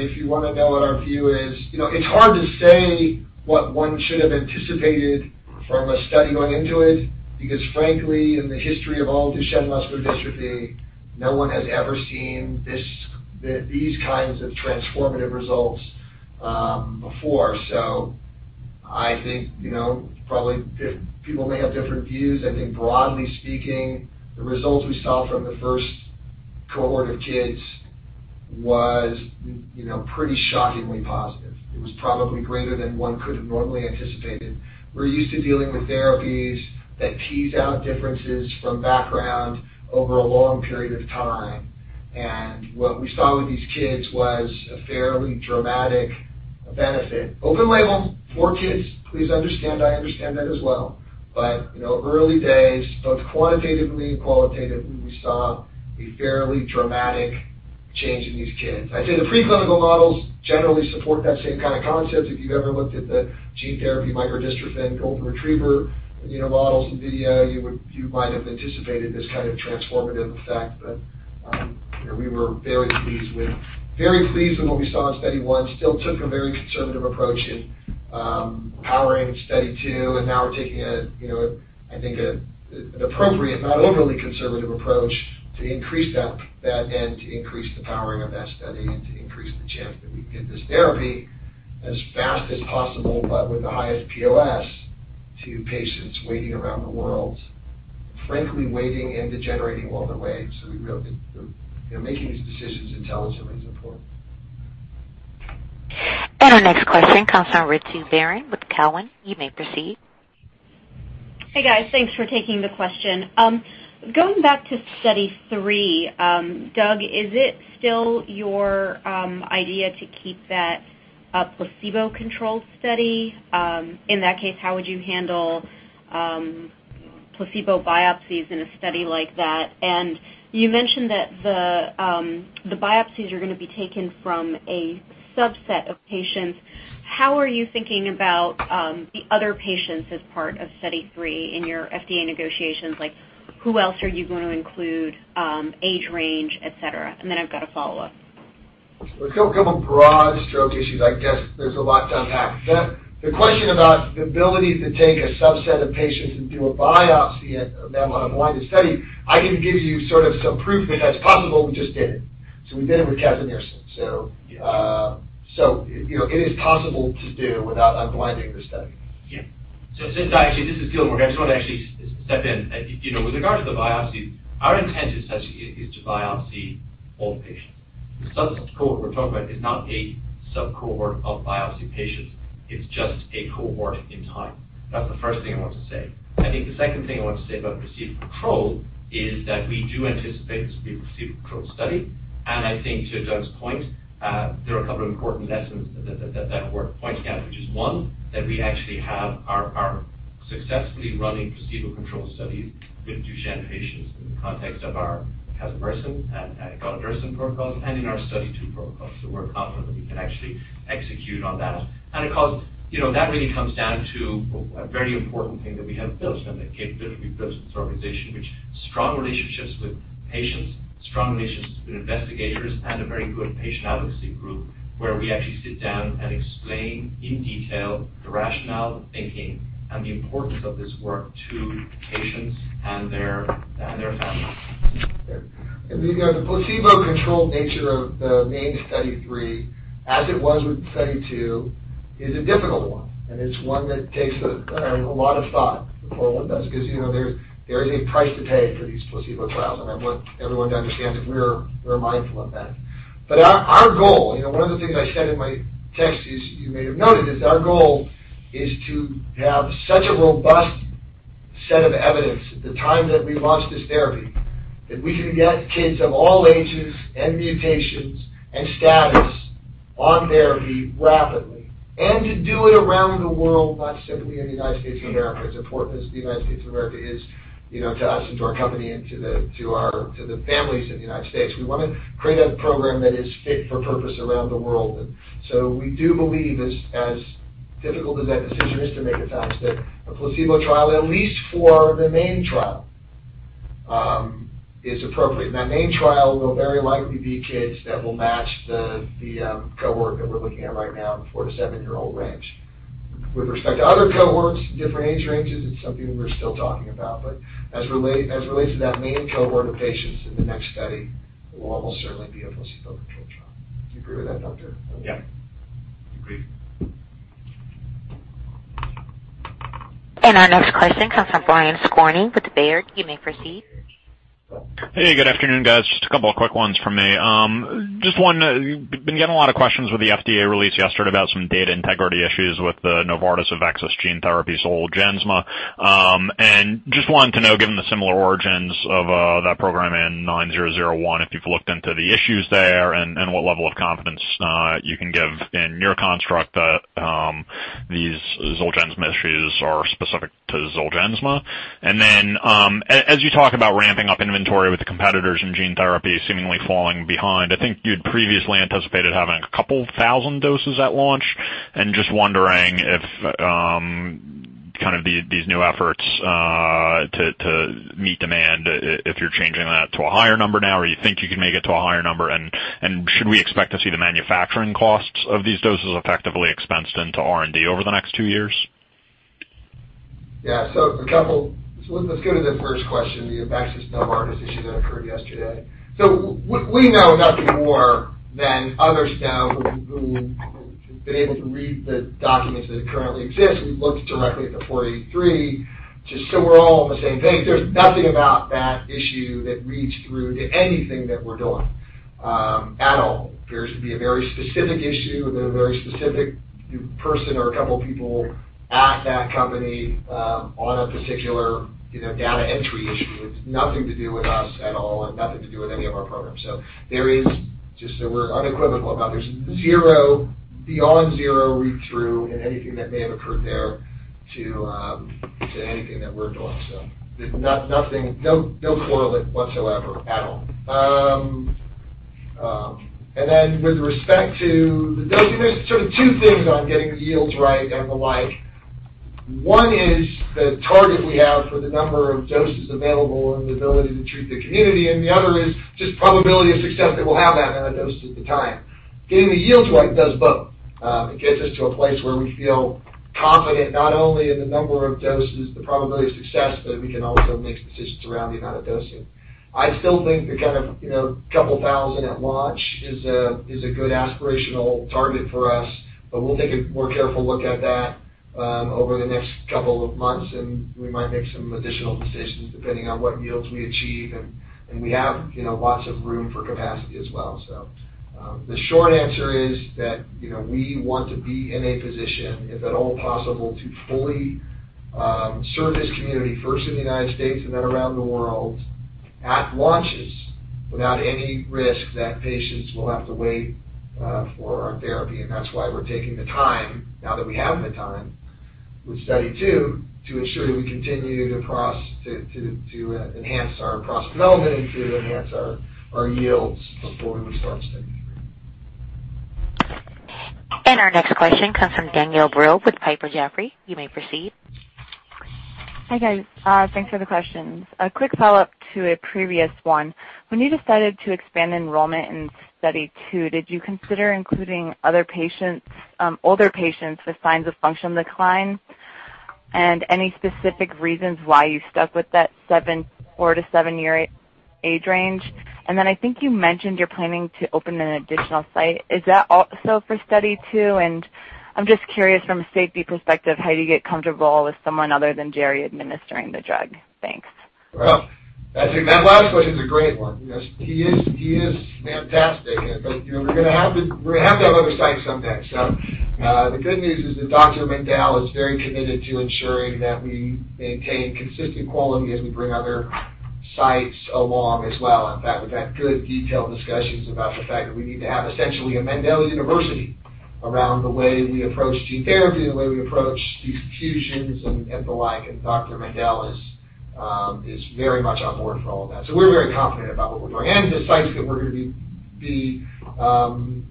If you want to know what our view is, it's hard to say what one should have anticipated from a study going into it because frankly, in the history of all Duchenne muscular dystrophy, no one has ever seen these kinds of transformative results before. I think probably people may have different views. I think broadly speaking, the results we saw from the first cohort of kids were pretty shockingly positive. It was probably greater than one could have normally anticipated. We're used to dealing with therapies that tease out differences from background over a long period of time, and what we saw with these kids was a fairly dramatic benefit. Open label, four kids, please understand, I understand that as well. Early days, both quantitatively and qualitatively, we saw a fairly dramatic change in these kids. I'd say the preclinical models generally support that same kind of concept. If you've ever looked at the gene therapy micro-dystrophin golden retriever models in video, you might have anticipated this kind of transformative effect. We were very pleased with what we saw in Study 1. Still took a very conservative approach in powering Study 2, now we're taking, I think, an appropriate, not overly conservative approach to increase that and to increase the powering of that study and to increase the chance that we can get this therapy as fast as possible, but with the highest POS to patients waiting around the world. Frankly, waiting and degenerating while they wait, we feel that making these decisions intelligently is important. Our next question comes from Ritu Baral with Cowen. You may proceed. Hey, guys. Thanks for taking the question. Going back to Study 3, Doug, is it still your idea to keep that a placebo-controlled study? In that case, how would you handle placebo biopsies in a study like that? You mentioned that the biopsies are going to be taken from a subset of patients. How are you thinking about the other patients as part of Study 3 in your FDA negotiations? Who else are you going to include, age range, et cetera? I've got a follow-up. A couple broad stroke issues. I guess there's a lot to unpack. The question about the ability to take a subset of patients and do a biopsy of them on a blinded study, I can give you sort of some proof that that's possible. We just did it. We did it with Casimersen. It is possible to do without unblinding the study. Yeah. This is Gilmore. I just want to actually step in. With regard to the biopsy, our intent is to biopsy all the patients. The sub-cohort we're talking about is not a sub-cohort of biopsy patients. It's just a cohort in time. That's the first thing I want to say. I think the second thing I want to say about placebo control is that we do anticipate this will be a placebo-controlled study. I think to Doug's point, there are a couple of important lessons that are worth pointing out, which is, one, that we actually have our successfully running placebo-controlled studies with Duchenne patients in the context of our Casimersen and eteplirsen protocols and in our Study 2 protocol. We're confident that we can actually execute on that. Of course, that really comes down to a very important thing that we have built and that Kate literally built this organization, which strong relationships with patients, strong relations with investigators, and a very good patient advocacy group where we actually sit down and explain in detail the rationale, the thinking, and the importance of this work to patients and their families. We've got the placebo-controlled nature of the main Study 3, as it was with Study 2, is a difficult one, and it's one that takes a lot of thought before one does, because there is a price to pay for these placebo trials, and I want everyone to understand that we're mindful of that. Our goal, one of the things I said in my text is, you may have noted, is to have such a robust set of evidence at the time that we launch this therapy that we can get kids of all ages and mutations and status on therapy rapidly and to do it around the world, not simply in the United States of America. It's important as the United States of America is to us and to our company and to the families in the U.S. We want to create a program that is fit for purpose around the world. We do believe, as difficult as that decision is to make at times, that a placebo trial, at least for the main trial, is appropriate. That main trial will very likely be kids that will match the cohort that we're looking at right now in the four to seven-year-old range. With respect to other cohorts, different age ranges, it's something we're still talking about. As relates to that main cohort of patients in the next study, it will almost certainly be a placebo-controlled trial. Do you agree with that, Doctor? Yeah. Agree. Our next question comes from Brian Skorney with Baird. You may proceed. Hey, good afternoon, guys. Just a couple of quick ones from me. Just one, been getting a lot of questions with the FDA release yesterday about some data integrity issues with the Novartis of AveXis Gene Therapy, Zolgensma. Just wanted to know, given the similar origins of that program in 9001, if you've looked into the issues there and what level of confidence you can give in your construct that these Zolgensma issues are specific to Zolgensma. As you talk about ramping up inventory with the competitors in gene therapy seemingly falling behind, I think you'd previously anticipated having a couple thousand doses at launch. Just wondering if kind of these new efforts to meet demand, if you're changing that to a higher number now, or you think you can make it to a higher number, and should we expect to see the manufacturing costs of these doses effectively expensed into R&D over the next two years? Yeah. Let's go to the first question, the AveXis Novartis issue that occurred yesterday. We know nothing more than others know who have been able to read the documents that currently exist. We've looked directly at the 483, just so we're all on the same page. There's nothing about that issue that reads through to anything that we're doing at all. It appears to be a very specific issue with a very specific person or a couple of people at that company on a particular data entry issue. It's nothing to do with us at all and nothing to do with any of our programs. Just so we're unequivocal about it, there's zero, beyond zero read-through in anything that may have occurred there to anything that we're doing. No correlate whatsoever at all. With respect to the dosing, there's sort of two things on getting the yields right and the like. One is the target we have for the number of doses available and the ability to treat the community, and the other is just probability of success that we'll have that amount of doses at the time. Getting the yields right does both. It gets us to a place where we feel confident not only in the number of doses, the probability of success, but we can also make decisions around the amount of dosing. I still think the kind of couple thousand at launch is a good aspirational target for us, but we'll take a more careful look at that over the next couple of months, and we might make some additional decisions depending on what yields we achieve, and we have lots of room for capacity as well. The short answer is that we want to be in a position, if at all possible, to fully serve this community first in the U.S. and then around the world at launches without any risk that patients will have to wait for our therapy. That's why we're taking the time, now that we have the time, with Study 2 to ensure that we continue to enhance our process development and to enhance our yields before we start Study 3. Our next question comes from Danielle Brill with Piper Jaffray. You may proceed. Hi, guys. Thanks for the questions. A quick follow-up to a previous one. When you decided to expand enrollment in Study 2, did you consider including older patients with signs of function decline? Any specific reasons why you stuck with that four to seven-year age range? I think you mentioned you're planning to open an additional site. Is that also for Study 2? I'm just curious from a safety perspective, how do you get comfortable with someone other than Jerry administering the drug? Thanks. Well, I think that last question is a great one. He is fantastic, we're going to have to have other sites someday. The good news is that Dr. Mendell is very committed to ensuring that we maintain consistent quality as we bring other sites along as well. In fact, we've had good, detailed discussions about the fact that we need to have essentially a Mendell University around the way we approach gene therapy and the way we approach these fusions and the like. Dr. Mendell is very much on board for all of that. We're very confident about what we're doing. The sites that we're going to be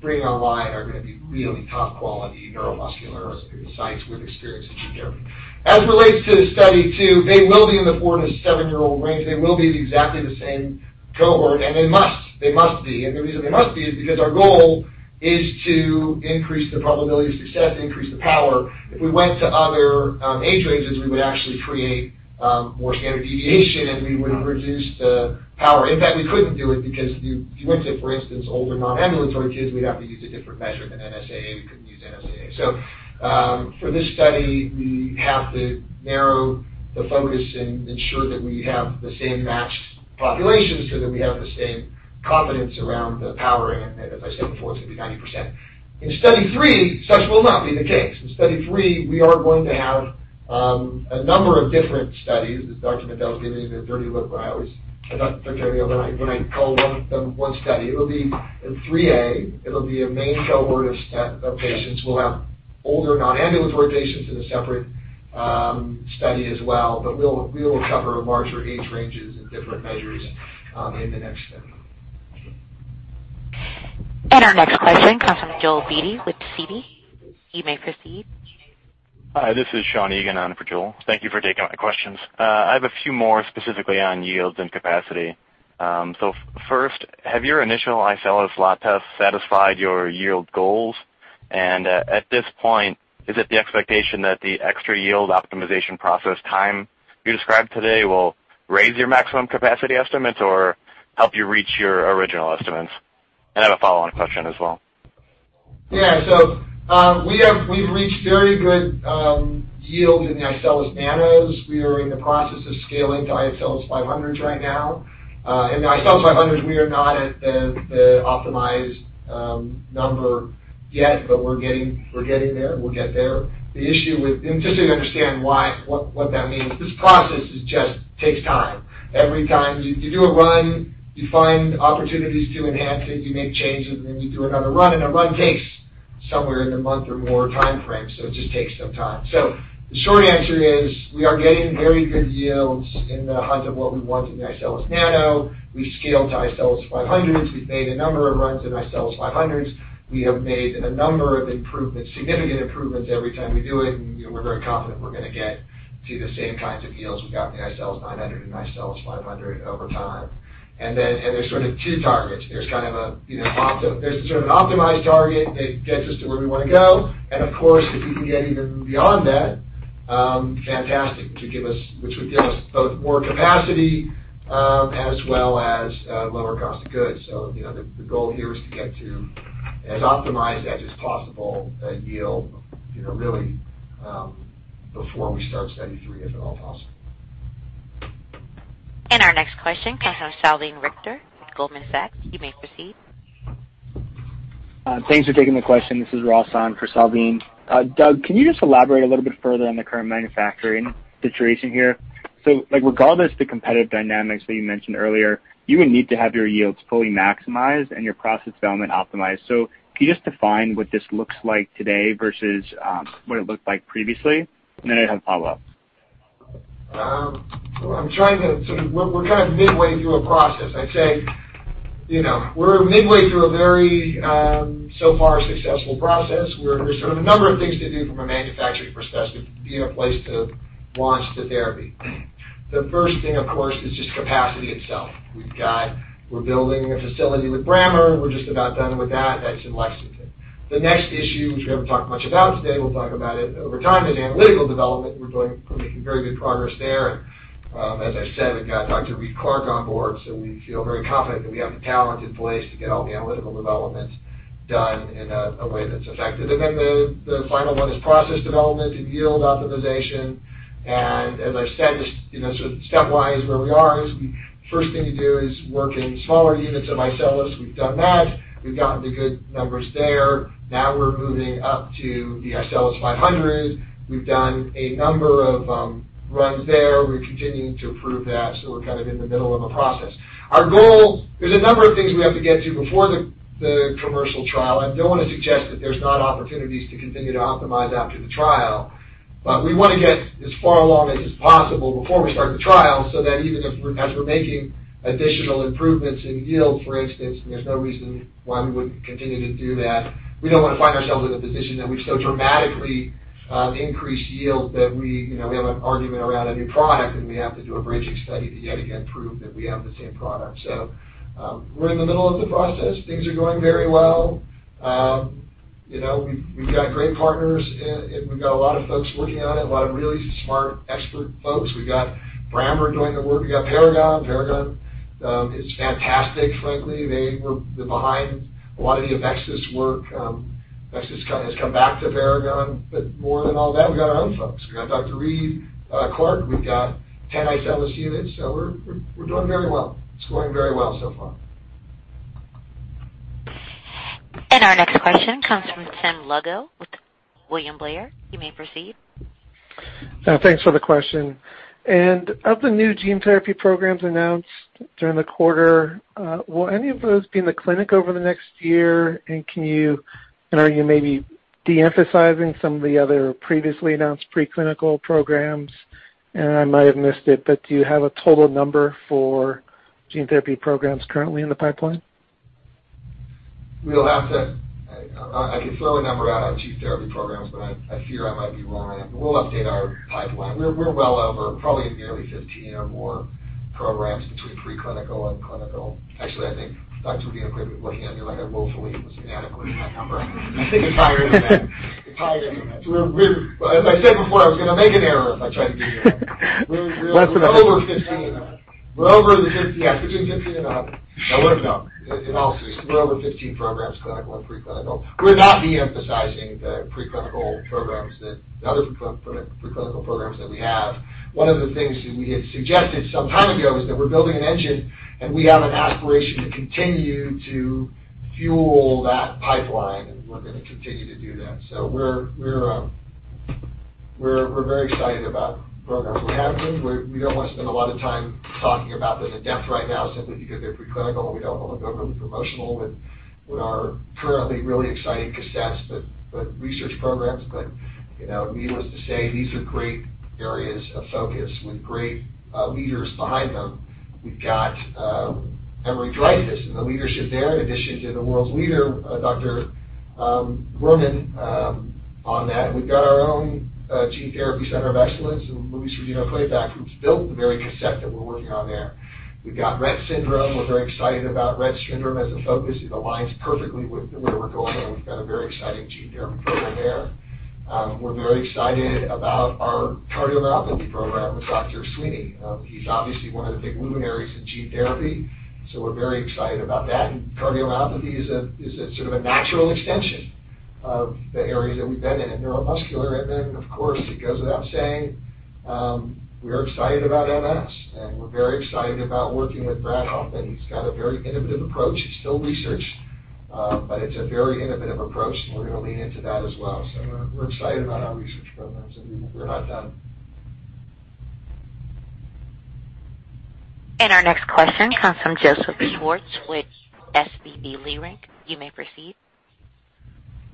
bringing online are going to be really top quality neuromuscular sites with experienced therapy. As it relates to Study 102, they will be in the four to seven-year-old range. They will be exactly the same cohort. They must be. The reason they must be is because our goal is to increase the probability of success, increase the power. If we went to other age ranges, we would actually create more standard deviation, and we would reduce the power. In fact, we couldn't do it because you went to, for instance, older non-ambulatory kids, we'd have to use a different measure than NSAA. We couldn't use NSAA. For this study, we have to narrow the focus and ensure that we have the same matched populations so that we have the same confidence around the power. As I said before, it's going to be 90%. In Study 3, such will not be the case. In Study 3, we are going to have a number of different studies, as Dr. Mendell is giving me the dirty look. Dr. Mendell when I call one of them one study. It'll be in 3A. It'll be a main cohort of patients. We'll have older, non-ambulatory patients in a separate study as well. We will cover larger age ranges and different measures in the next study. Our next question comes from Joel Beatty with Citi. You may proceed. Hi, this is Sean Egan on for Joel. Thank you for taking my questions. I have a few more specifically on yields and capacity. First, have your initial iCELLis lot tests satisfied your yield goals? At this point, is it the expectation that the extra yield optimization process time you described today will raise your maximum capacity estimates or help you reach your original estimates? I have a follow-on question as well. Yeah. We've reached very good yield in the iCELLis Nanos. We are in the process of scaling to iCELLis 500s right now. In the iCELLis 500s, we are not at the optimized number yet, but we're getting there. We'll get there. Just so you understand what that means, this process just takes time. Every time you do a run, you find opportunities to enhance it, you make changes, and then you do another run, and a run takes somewhere in the month or more timeframe. It just takes some time. The short answer is we are getting very good yields in the hunt of what we want in the iCELLis Nano. We've scaled to iCELLis 500s. We've made a number of runs in iCELLis 500s. We have made a number of improvements, significant improvements every time we do it, and we're very confident we're going to get to the same kinds of yields we got in the iCELLis 900 and iCELLis 500 over time. There's sort of two targets. There's the sort of optimized target that gets us to where we want to go. Of course, if we can get even beyond that, fantastic, which would give us both more capacity as well as lower cost of goods. The goal here is to get to as optimized as is possible a yield really before we start Study 3, if at all possible. Our next question comes from Salveen Richter with Goldman Sachs. You may proceed. Thanks for taking the question. This is Ross on for Salveen. Doug, can you just elaborate a little bit further on the current manufacturing situation here? Regardless of the competitive dynamics that you mentioned earlier, you would need to have your yields fully maximized and your process development optimized. Can you just define what this looks like today versus what it looked like previously? Then I have follow-up. We're kind of midway through a process. I'd say we're midway through a very, so far, successful process. There's sort of a number of things to do from a manufacturing perspective to be in a place to launch the therapy. The first thing, of course, is just capacity itself. We're building a facility with Brammer Bio. We're just about done with that. That's in Lexington. The next issue, which we haven't talked much about today, we'll talk about it over time, is analytical development. We're making very good progress there. As I said, we've got Dr. Reed Clark on board, so we feel very confident that we have the talent in place to get all the analytical development done in a way that's effective. The final one is process development and yield optimization. As I said, just sort of stepwise where we are is the first thing to do is work in smaller units of iCELLis. We've done that. We've gotten the good numbers there. We're moving up to the iCELLis 500. We've done a number of runs there. We're continuing to improve that. We're kind of in the middle of a process. There's a number of things we have to get to before the commercial trial. I don't want to suggest that there's not opportunities to continue to optimize after the trial, but we want to get as far along as is possible before we start the trial so that even as we're making additional improvements in yield, for instance, there's no reason why we wouldn't continue to do that. We don't want to find ourselves in a position that we've so dramatically increased yield that we have an argument around a new product, and we have to do a bridging study to yet again prove that we have the same product. We're in the middle of the process. Things are going very well. We've got great partners, and we've got a lot of folks working on it, a lot of really smart expert folks. We got Brammer doing the work. We got Paragon. Paragon is fantastic, frankly. They were behind a lot of the AveXis work. AveXis has come back to Paragon. More than all that, we got our own folks. We got Dr. Reed Clark. We've got 10 iCELLis units. We're doing very well. It's going very well so far. Our next question comes from Tim Lugo with William Blair. You may proceed. Thanks for the question. Of the new gene therapy programs announced during the quarter, will any of those be in the clinic over the next year? Are you maybe de-emphasizing some of the other previously announced preclinical programs, and I might have missed it, but do you have a total number for gene therapy programs currently in the pipeline? I can throw a number out on gene therapy programs, but I fear I might be wrong. We'll update our pipeline. We're well over probably nearly 15 or more programs between preclinical and clinical. Actually, I think Dr. Rodino-Klapac could be looking at me like I willfully was inadequate in that number. I think it's higher than that. It's higher than that. As I said before, I was going to make an error if I tried to do the math. Less than- We're over 15. Between 15 and up. No. In all seriousness, we're over 15 programs, clinical and preclinical. We're not de-emphasizing the other preclinical programs that we have. One of the things that we had suggested some time ago is that we're building an engine, and we have an aspiration to continue to fuel that pipeline, and we're going to continue to do that. We're very excited about programs. We have been. We don't want to spend a lot of time talking about them in depth right now simply because they're preclinical. We don't want to go overly promotional with our currently really exciting cassettes with research programs. Needless to say, these are great areas of focus with great leaders behind them. We've got Emery-Dreifuss and the leadership there, in addition to the world's leader, Dr. Worman, on that. We've got our own Gene Therapy Center of Excellence in Louise Rodino-Klapac, who's built the very cassette that we're working on there. We've got Rett syndrome. We're very excited about Rett syndrome as a focus. It aligns perfectly with where we're going, and we've got a very exciting gene therapy program there. We're very excited about our cardiomyopathy program with Dr. Sweeney. He's obviously one of the big luminaries in gene therapy, so we're very excited about that. Cardiomyopathy is a sort of a natural extension of the areas that we've been in, and neuromuscular in there. Of course, it goes without saying, we are excited about MS, and we're very excited about working with Brad Hoffman. He's got a very innovative approach. It's still research, but it's a very innovative approach, and we're going to lean into that as well. We're excited about our research programs, and we're not done. Our next question comes from Joseph Schwartz with SVB Leerink. You may proceed.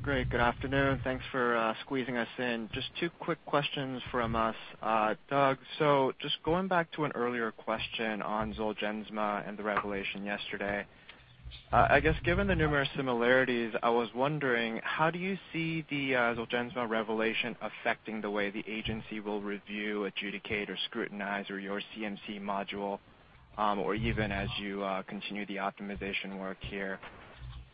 Great. Good afternoon. Thanks for squeezing us in. Just two quick questions from us. Doug, just going back to an earlier question on Zolgensma and the revelation yesterday. I guess given the numerous similarities, I was wondering, how do you see the Zolgensma revelation affecting the way the agency will review, adjudicate, or scrutinize your CMC module, or even as you continue the optimization work here?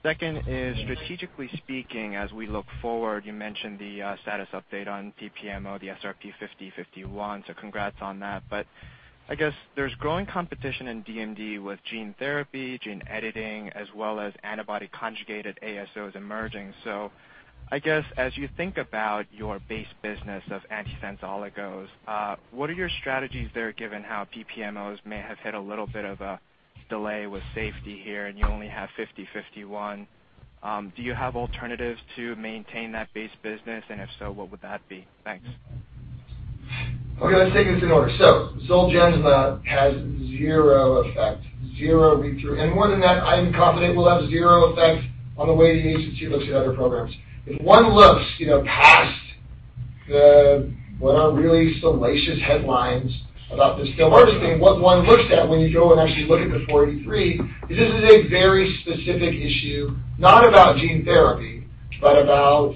Second is, strategically speaking, as we look forward, you mentioned the status update on PPMO, the SRP-5051, congrats on that. I guess there's growing competition in DMD with gene therapy, gene editing, as well as antibody conjugated ASOs emerging. I guess, as you think about your base business of antisense oligos, what are your strategies there, given how PPMOs may have hit a little bit of a delay with safety here, and you only have SRP-5051. Do you have alternatives to maintain that base business? If so, what would that be? Thanks. Okay, let's take this in order. Zolgensma has zero effect, zero read-through. More than that, I am confident will have zero effect on the way the agency looks at other programs. If one looks past what are really salacious headlines about this still hardest thing, what one looks at when you go and actually look at the 43 is this is a very specific issue, not about gene therapy, but about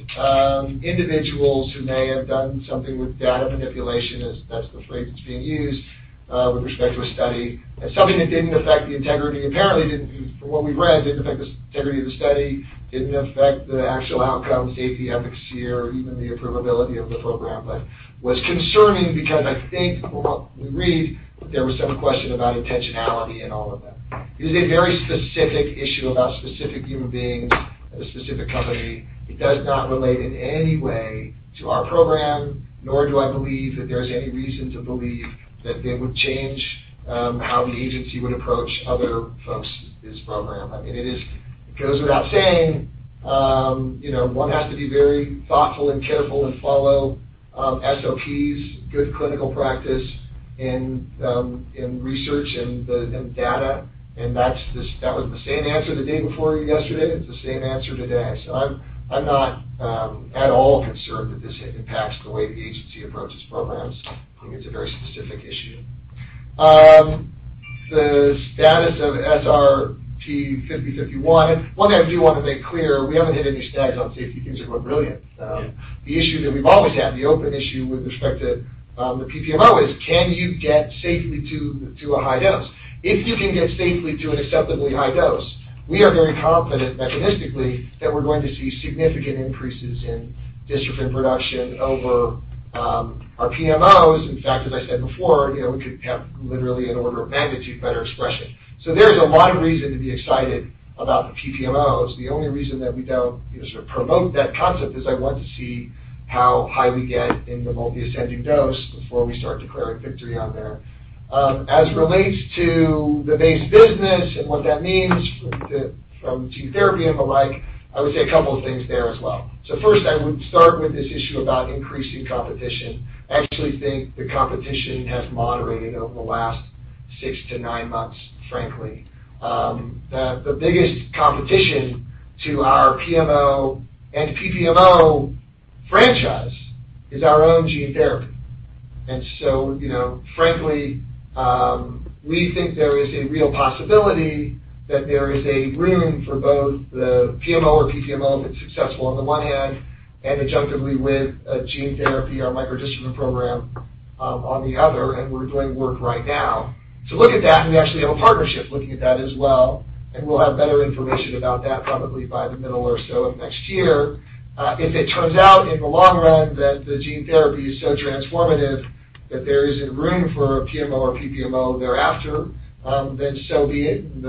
individuals who may have done something with data manipulation as that's the phrase that's being used, with respect to a study. Something that apparently, from what we've read, didn't affect the integrity of the study, didn't affect the actual outcome, safety, efficacy, or even the approvability of the program. Was concerning because I think from what we read, there was some question about intentionality in all of that. It is a very specific issue about specific human beings at a specific company. It does not relate in any way to our program, nor do I believe that there's any reason to believe that they would change how the agency would approach other folks' program. It goes without saying, one has to be very thoughtful and careful and follow SOPs, good clinical practice in research and data, and that was the same answer the day before yesterday. It's the same answer today. I'm not at all concerned that this impacts the way the agency approaches programs. I think it's a very specific issue. The status of SRP-5051. One thing I do want to make clear, we haven't hit any snags on safety. Things are going brilliant. The issue that we've always had, the open issue with respect to the PPMO is can you get safely to a high dose? If you can get safely to an acceptably high dose, we are very confident mechanistically that we're going to see significant increases in dystrophin production over our PMOs. In fact, as I said before, we could have literally an order of magnitude better expression. There is a lot of reason to be excited about the PPMOs. The only reason that we don't sort of promote that concept is I want to see how high we get in the multi-ascending dose before we start declaring victory on there. As relates to the base business and what that means from gene therapy and the like, I would say a couple of things there as well. First, I would start with this issue about increasing competition. I actually think the competition has moderated over the last six to nine months, frankly. The biggest competition to our PMO and PPMO franchise is our own gene therapy. Frankly, we think there is a real possibility that there is a room for both the PMO or PPMO, if it's successful on the one hand, and adjunctively with a gene therapy, our micro-dystrophin program on the other. We're doing work right now to look at that. We actually have a partnership looking at that as well. We'll have better information about that probably by the middle or so of next year. If it turns out in the long run that the gene therapy is so transformative that there isn't room for a PMO or PPMO thereafter, so be it.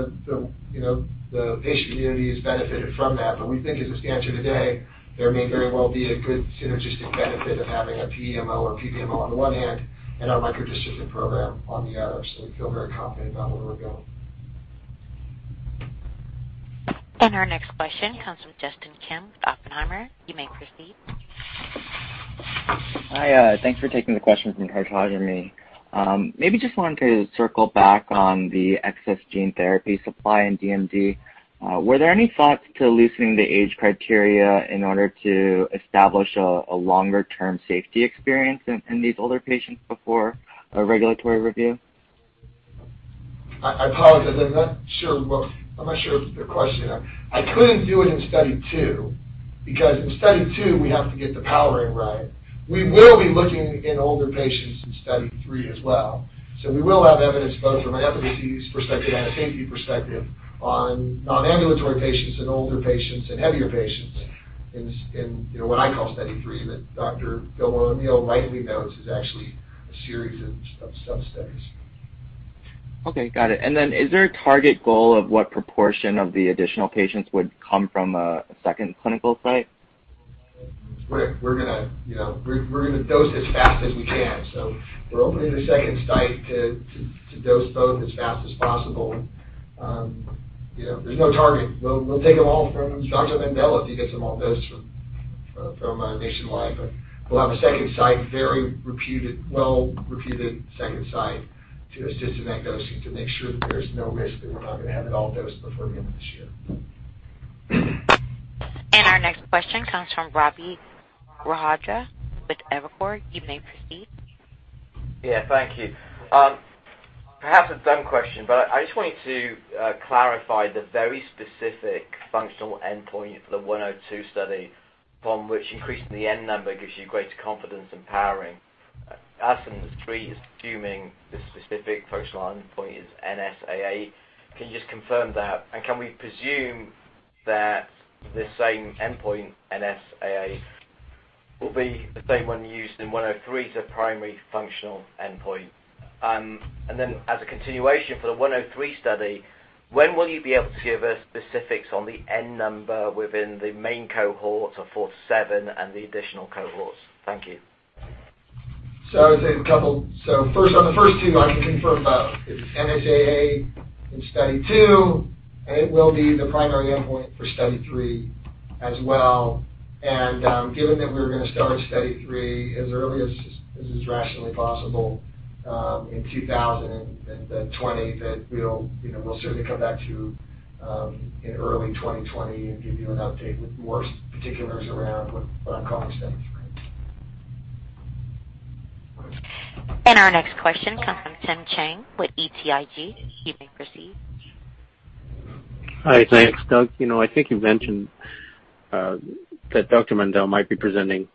The patient community has benefited from that. We think as it stands today, there may very well be a good synergistic benefit of having a PMO or PPMO on the one hand, and our micro-dystrophin program on the other. We feel very confident about where we're going. Our next question comes from Justin Kim with Oppenheimer. You may proceed. Hi. Thanks for taking the question from Hartaj and me. Maybe just wanted to circle back on the excess gene therapy supply in DMD. Were there any thoughts to loosening the age criteria in order to establish a longer-term safety experience in these older patients before a regulatory review? I apologize. I'm not sure what your question is. I couldn't do it in Study 2 because in Study 2, we have to get the powering right. We will be looking in older patients in Study 3 as well. We will have evidence both from an efficacy perspective and a safety perspective on non-ambulatory patients and older patients and heavier patients in what I call Study 3 that Dr. Gil O'Neill rightly notes is actually a series of sub-studies. Okay, got it. Is there a target goal of what proportion of the additional patients would come from a second clinical site? We're going to dose as fast as we can. We're opening a second site to dose both as fast as possible. There's no target. We'll take them all from Dr. Mendell if he gets them all dosed from Nationwide Children's Hospital. We'll have a second site, very reputed, well-reputed second site to assist in that dosing to make sure that there is no risk that we're not going to have it all dosed before the end of this year. Our next question comes from Umer Raffat with Evercore. You may proceed. Yeah. Thank you. Perhaps a dumb question, but I just wanted to clarify the very specific functional endpoint for the Study 102 from which increasing the N number gives you greater confidence in powering. I am asking this, assuming the specific first line endpoint is NSAA. Can you just confirm that? Can we presume that the same endpoint, NSAA, will be the same one used in the Study 103 as a primary functional endpoint? Then as a continuation for the Study 103, when will you be able to give us specifics on the N number within the main cohorts of 47 and the additional cohorts? Thank you. I would say on the first two, I can confirm both. It is NSAA in Study 2, and it will be the primary endpoint for Study 3 as well. Given that we're going to start Study 3 as early as is rationally possible in 2020, that we'll certainly come back to in early 2020 and give you an update with more particulars around what I'm calling Study 3. Our next question comes from Tim Chiang with BTIG. You may proceed. Hi. Thanks, Doug. I think you mentioned that Dr. Mendell might be presenting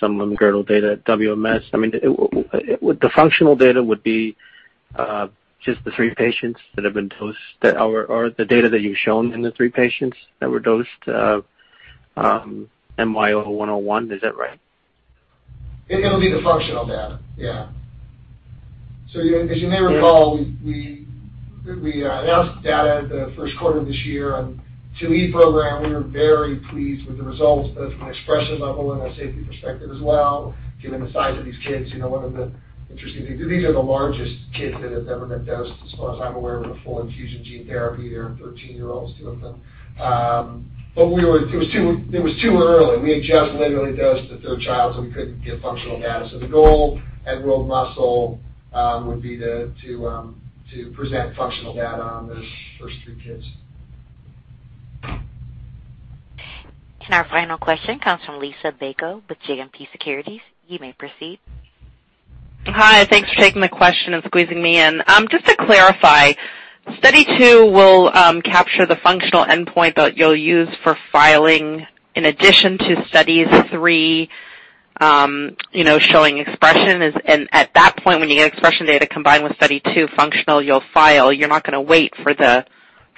some limb-girdle data at WMS. The functional data would be just the three patients that have been dosed, or the data that you've shown in the three patients that were dosed MYO101. Is that right? It'll be the functional data, yeah. As you may recall, we announced data the first quarter of this year on 2E program. We were very pleased with the results both from an expression level and a safety perspective as well, given the size of these kids. One of the interesting things, these are the largest kids that have ever been dosed, as far as I'm aware, with a full infusion gene therapy. There are 13-year-olds, two of them. It was too early. We had just literally dosed the third child, so we couldn't get functional data. The goal at World Muscle would be to present functional data on those first three kids. Our final question comes from Lisa Baco with JMP Securities. You may proceed. Hi, thanks for taking the question and squeezing me in. Just to clarify, Study 2 will capture the functional endpoint that you'll use for filing in addition to Studies 3, showing expression. At that point, when you get expression data combined with Study 2 functional, you'll file. You're not going to wait for the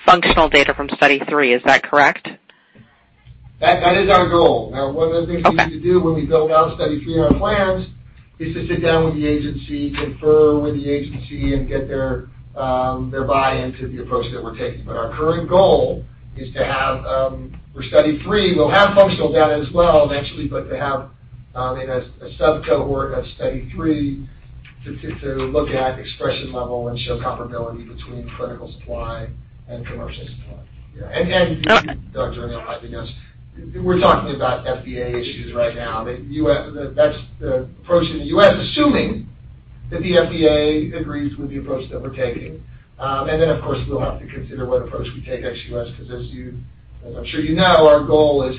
functional data from Study 3. Is that correct? That is our goal. One of the things we need to do when we build out Study 3 in our plans is to sit down with the agency, confer with the agency, and get their buy-in to the approach that we're taking. Our current goal is to have for Study 3, we'll have functional data as well eventually, but to have a sub-cohort of Study 3 to look at expression level and show comparability between clinical supply and commercial supply. Dr. O'Neill can probably guess, we're talking about FDA issues right now. That's the approach in the U.S., assuming that the FDA agrees with the approach that we're taking. Of course, we'll have to consider what approach we take ex-US, because as I'm sure you know, our goal is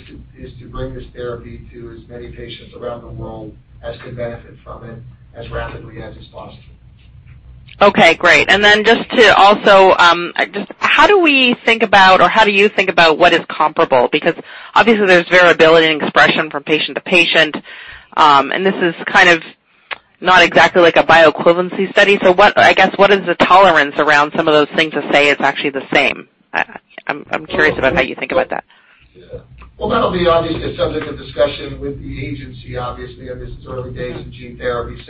to bring this therapy to as many patients around the world as could benefit from it as rapidly as is possible. Okay, great. How do we think about, or how do you think about what is comparable? Obviously there's variability in expression from patient to patient, and this is kind of not exactly like a bioequivalency study. I guess, what is the tolerance around some of those things to say it's actually the same? I'm curious about how you think about that. Well, that'll be obviously a subject of discussion with the agency, obviously, and this is early days in gene therapy,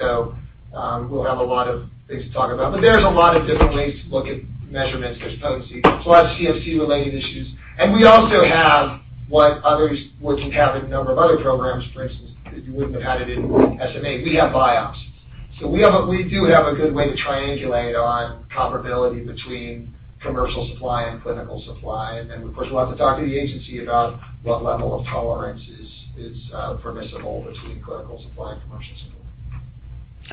so we'll have a lot of things to talk about. There's a lot of different ways to look at measurements. There's potency plus CMC-related issues. We also have what you have in a number of other programs. For instance, you wouldn't have had it in SMA. We have biopsy. We do have a good way to triangulate on comparability between commercial supply and clinical supply. Of course, we'll have to talk to the agency about what level of tolerance is permissible between clinical supply and commercial supply.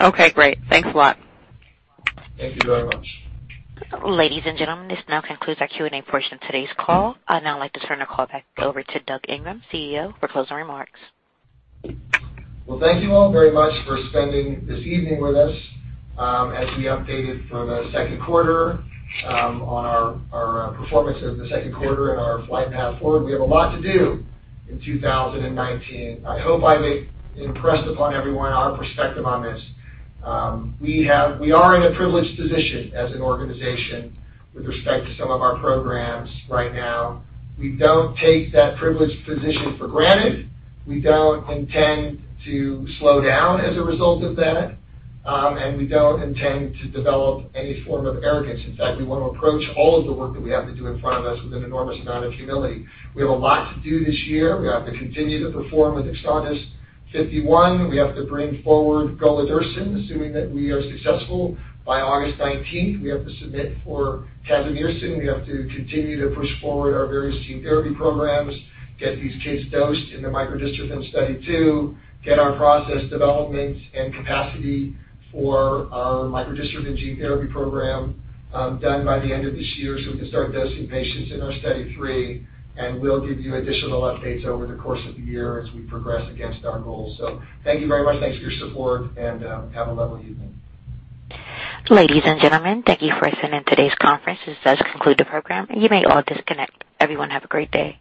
Okay, great. Thanks a lot. Thank you very much. Ladies and gentlemen, this now concludes our Q&A portion of today's call. I'd now like to turn the call back over to Doug Ingram, CEO, for closing remarks. Well, thank you all very much for spending this evening with us. We updated for the second quarter on our performance of the second quarter and our flight path forward. We have a lot to do in 2019. I hope I may impress upon everyone our perspective on this. We are in a privileged position as an organization with respect to some of our programs right now. We don't take that privileged position for granted. We don't intend to slow down as a result of that. We don't intend to develop any form of arrogance. In fact, we want to approach all of the work that we have to do in front of us with an enormous amount of humility. We have a lot to do this year. We have to continue to perform with EXONDYS 51. We have to bring forward Golodirsen, assuming that we are successful. By August 19th, we have to submit for Casimersen. We have to continue to push forward our various gene therapy programs, get these kids dosed in the micro-dystrophin study two, get our process development and capacity for our micro-dystrophin gene therapy program done by the end of this year so we can start dosing patients in our study 3. We'll give you additional updates over the course of the year as we progress against our goals. Thank you very much. Thanks for your support, and have a lovely evening. Ladies and gentlemen, thank you for attending today's conference. This does conclude the program, and you may all disconnect. Everyone, have a great day.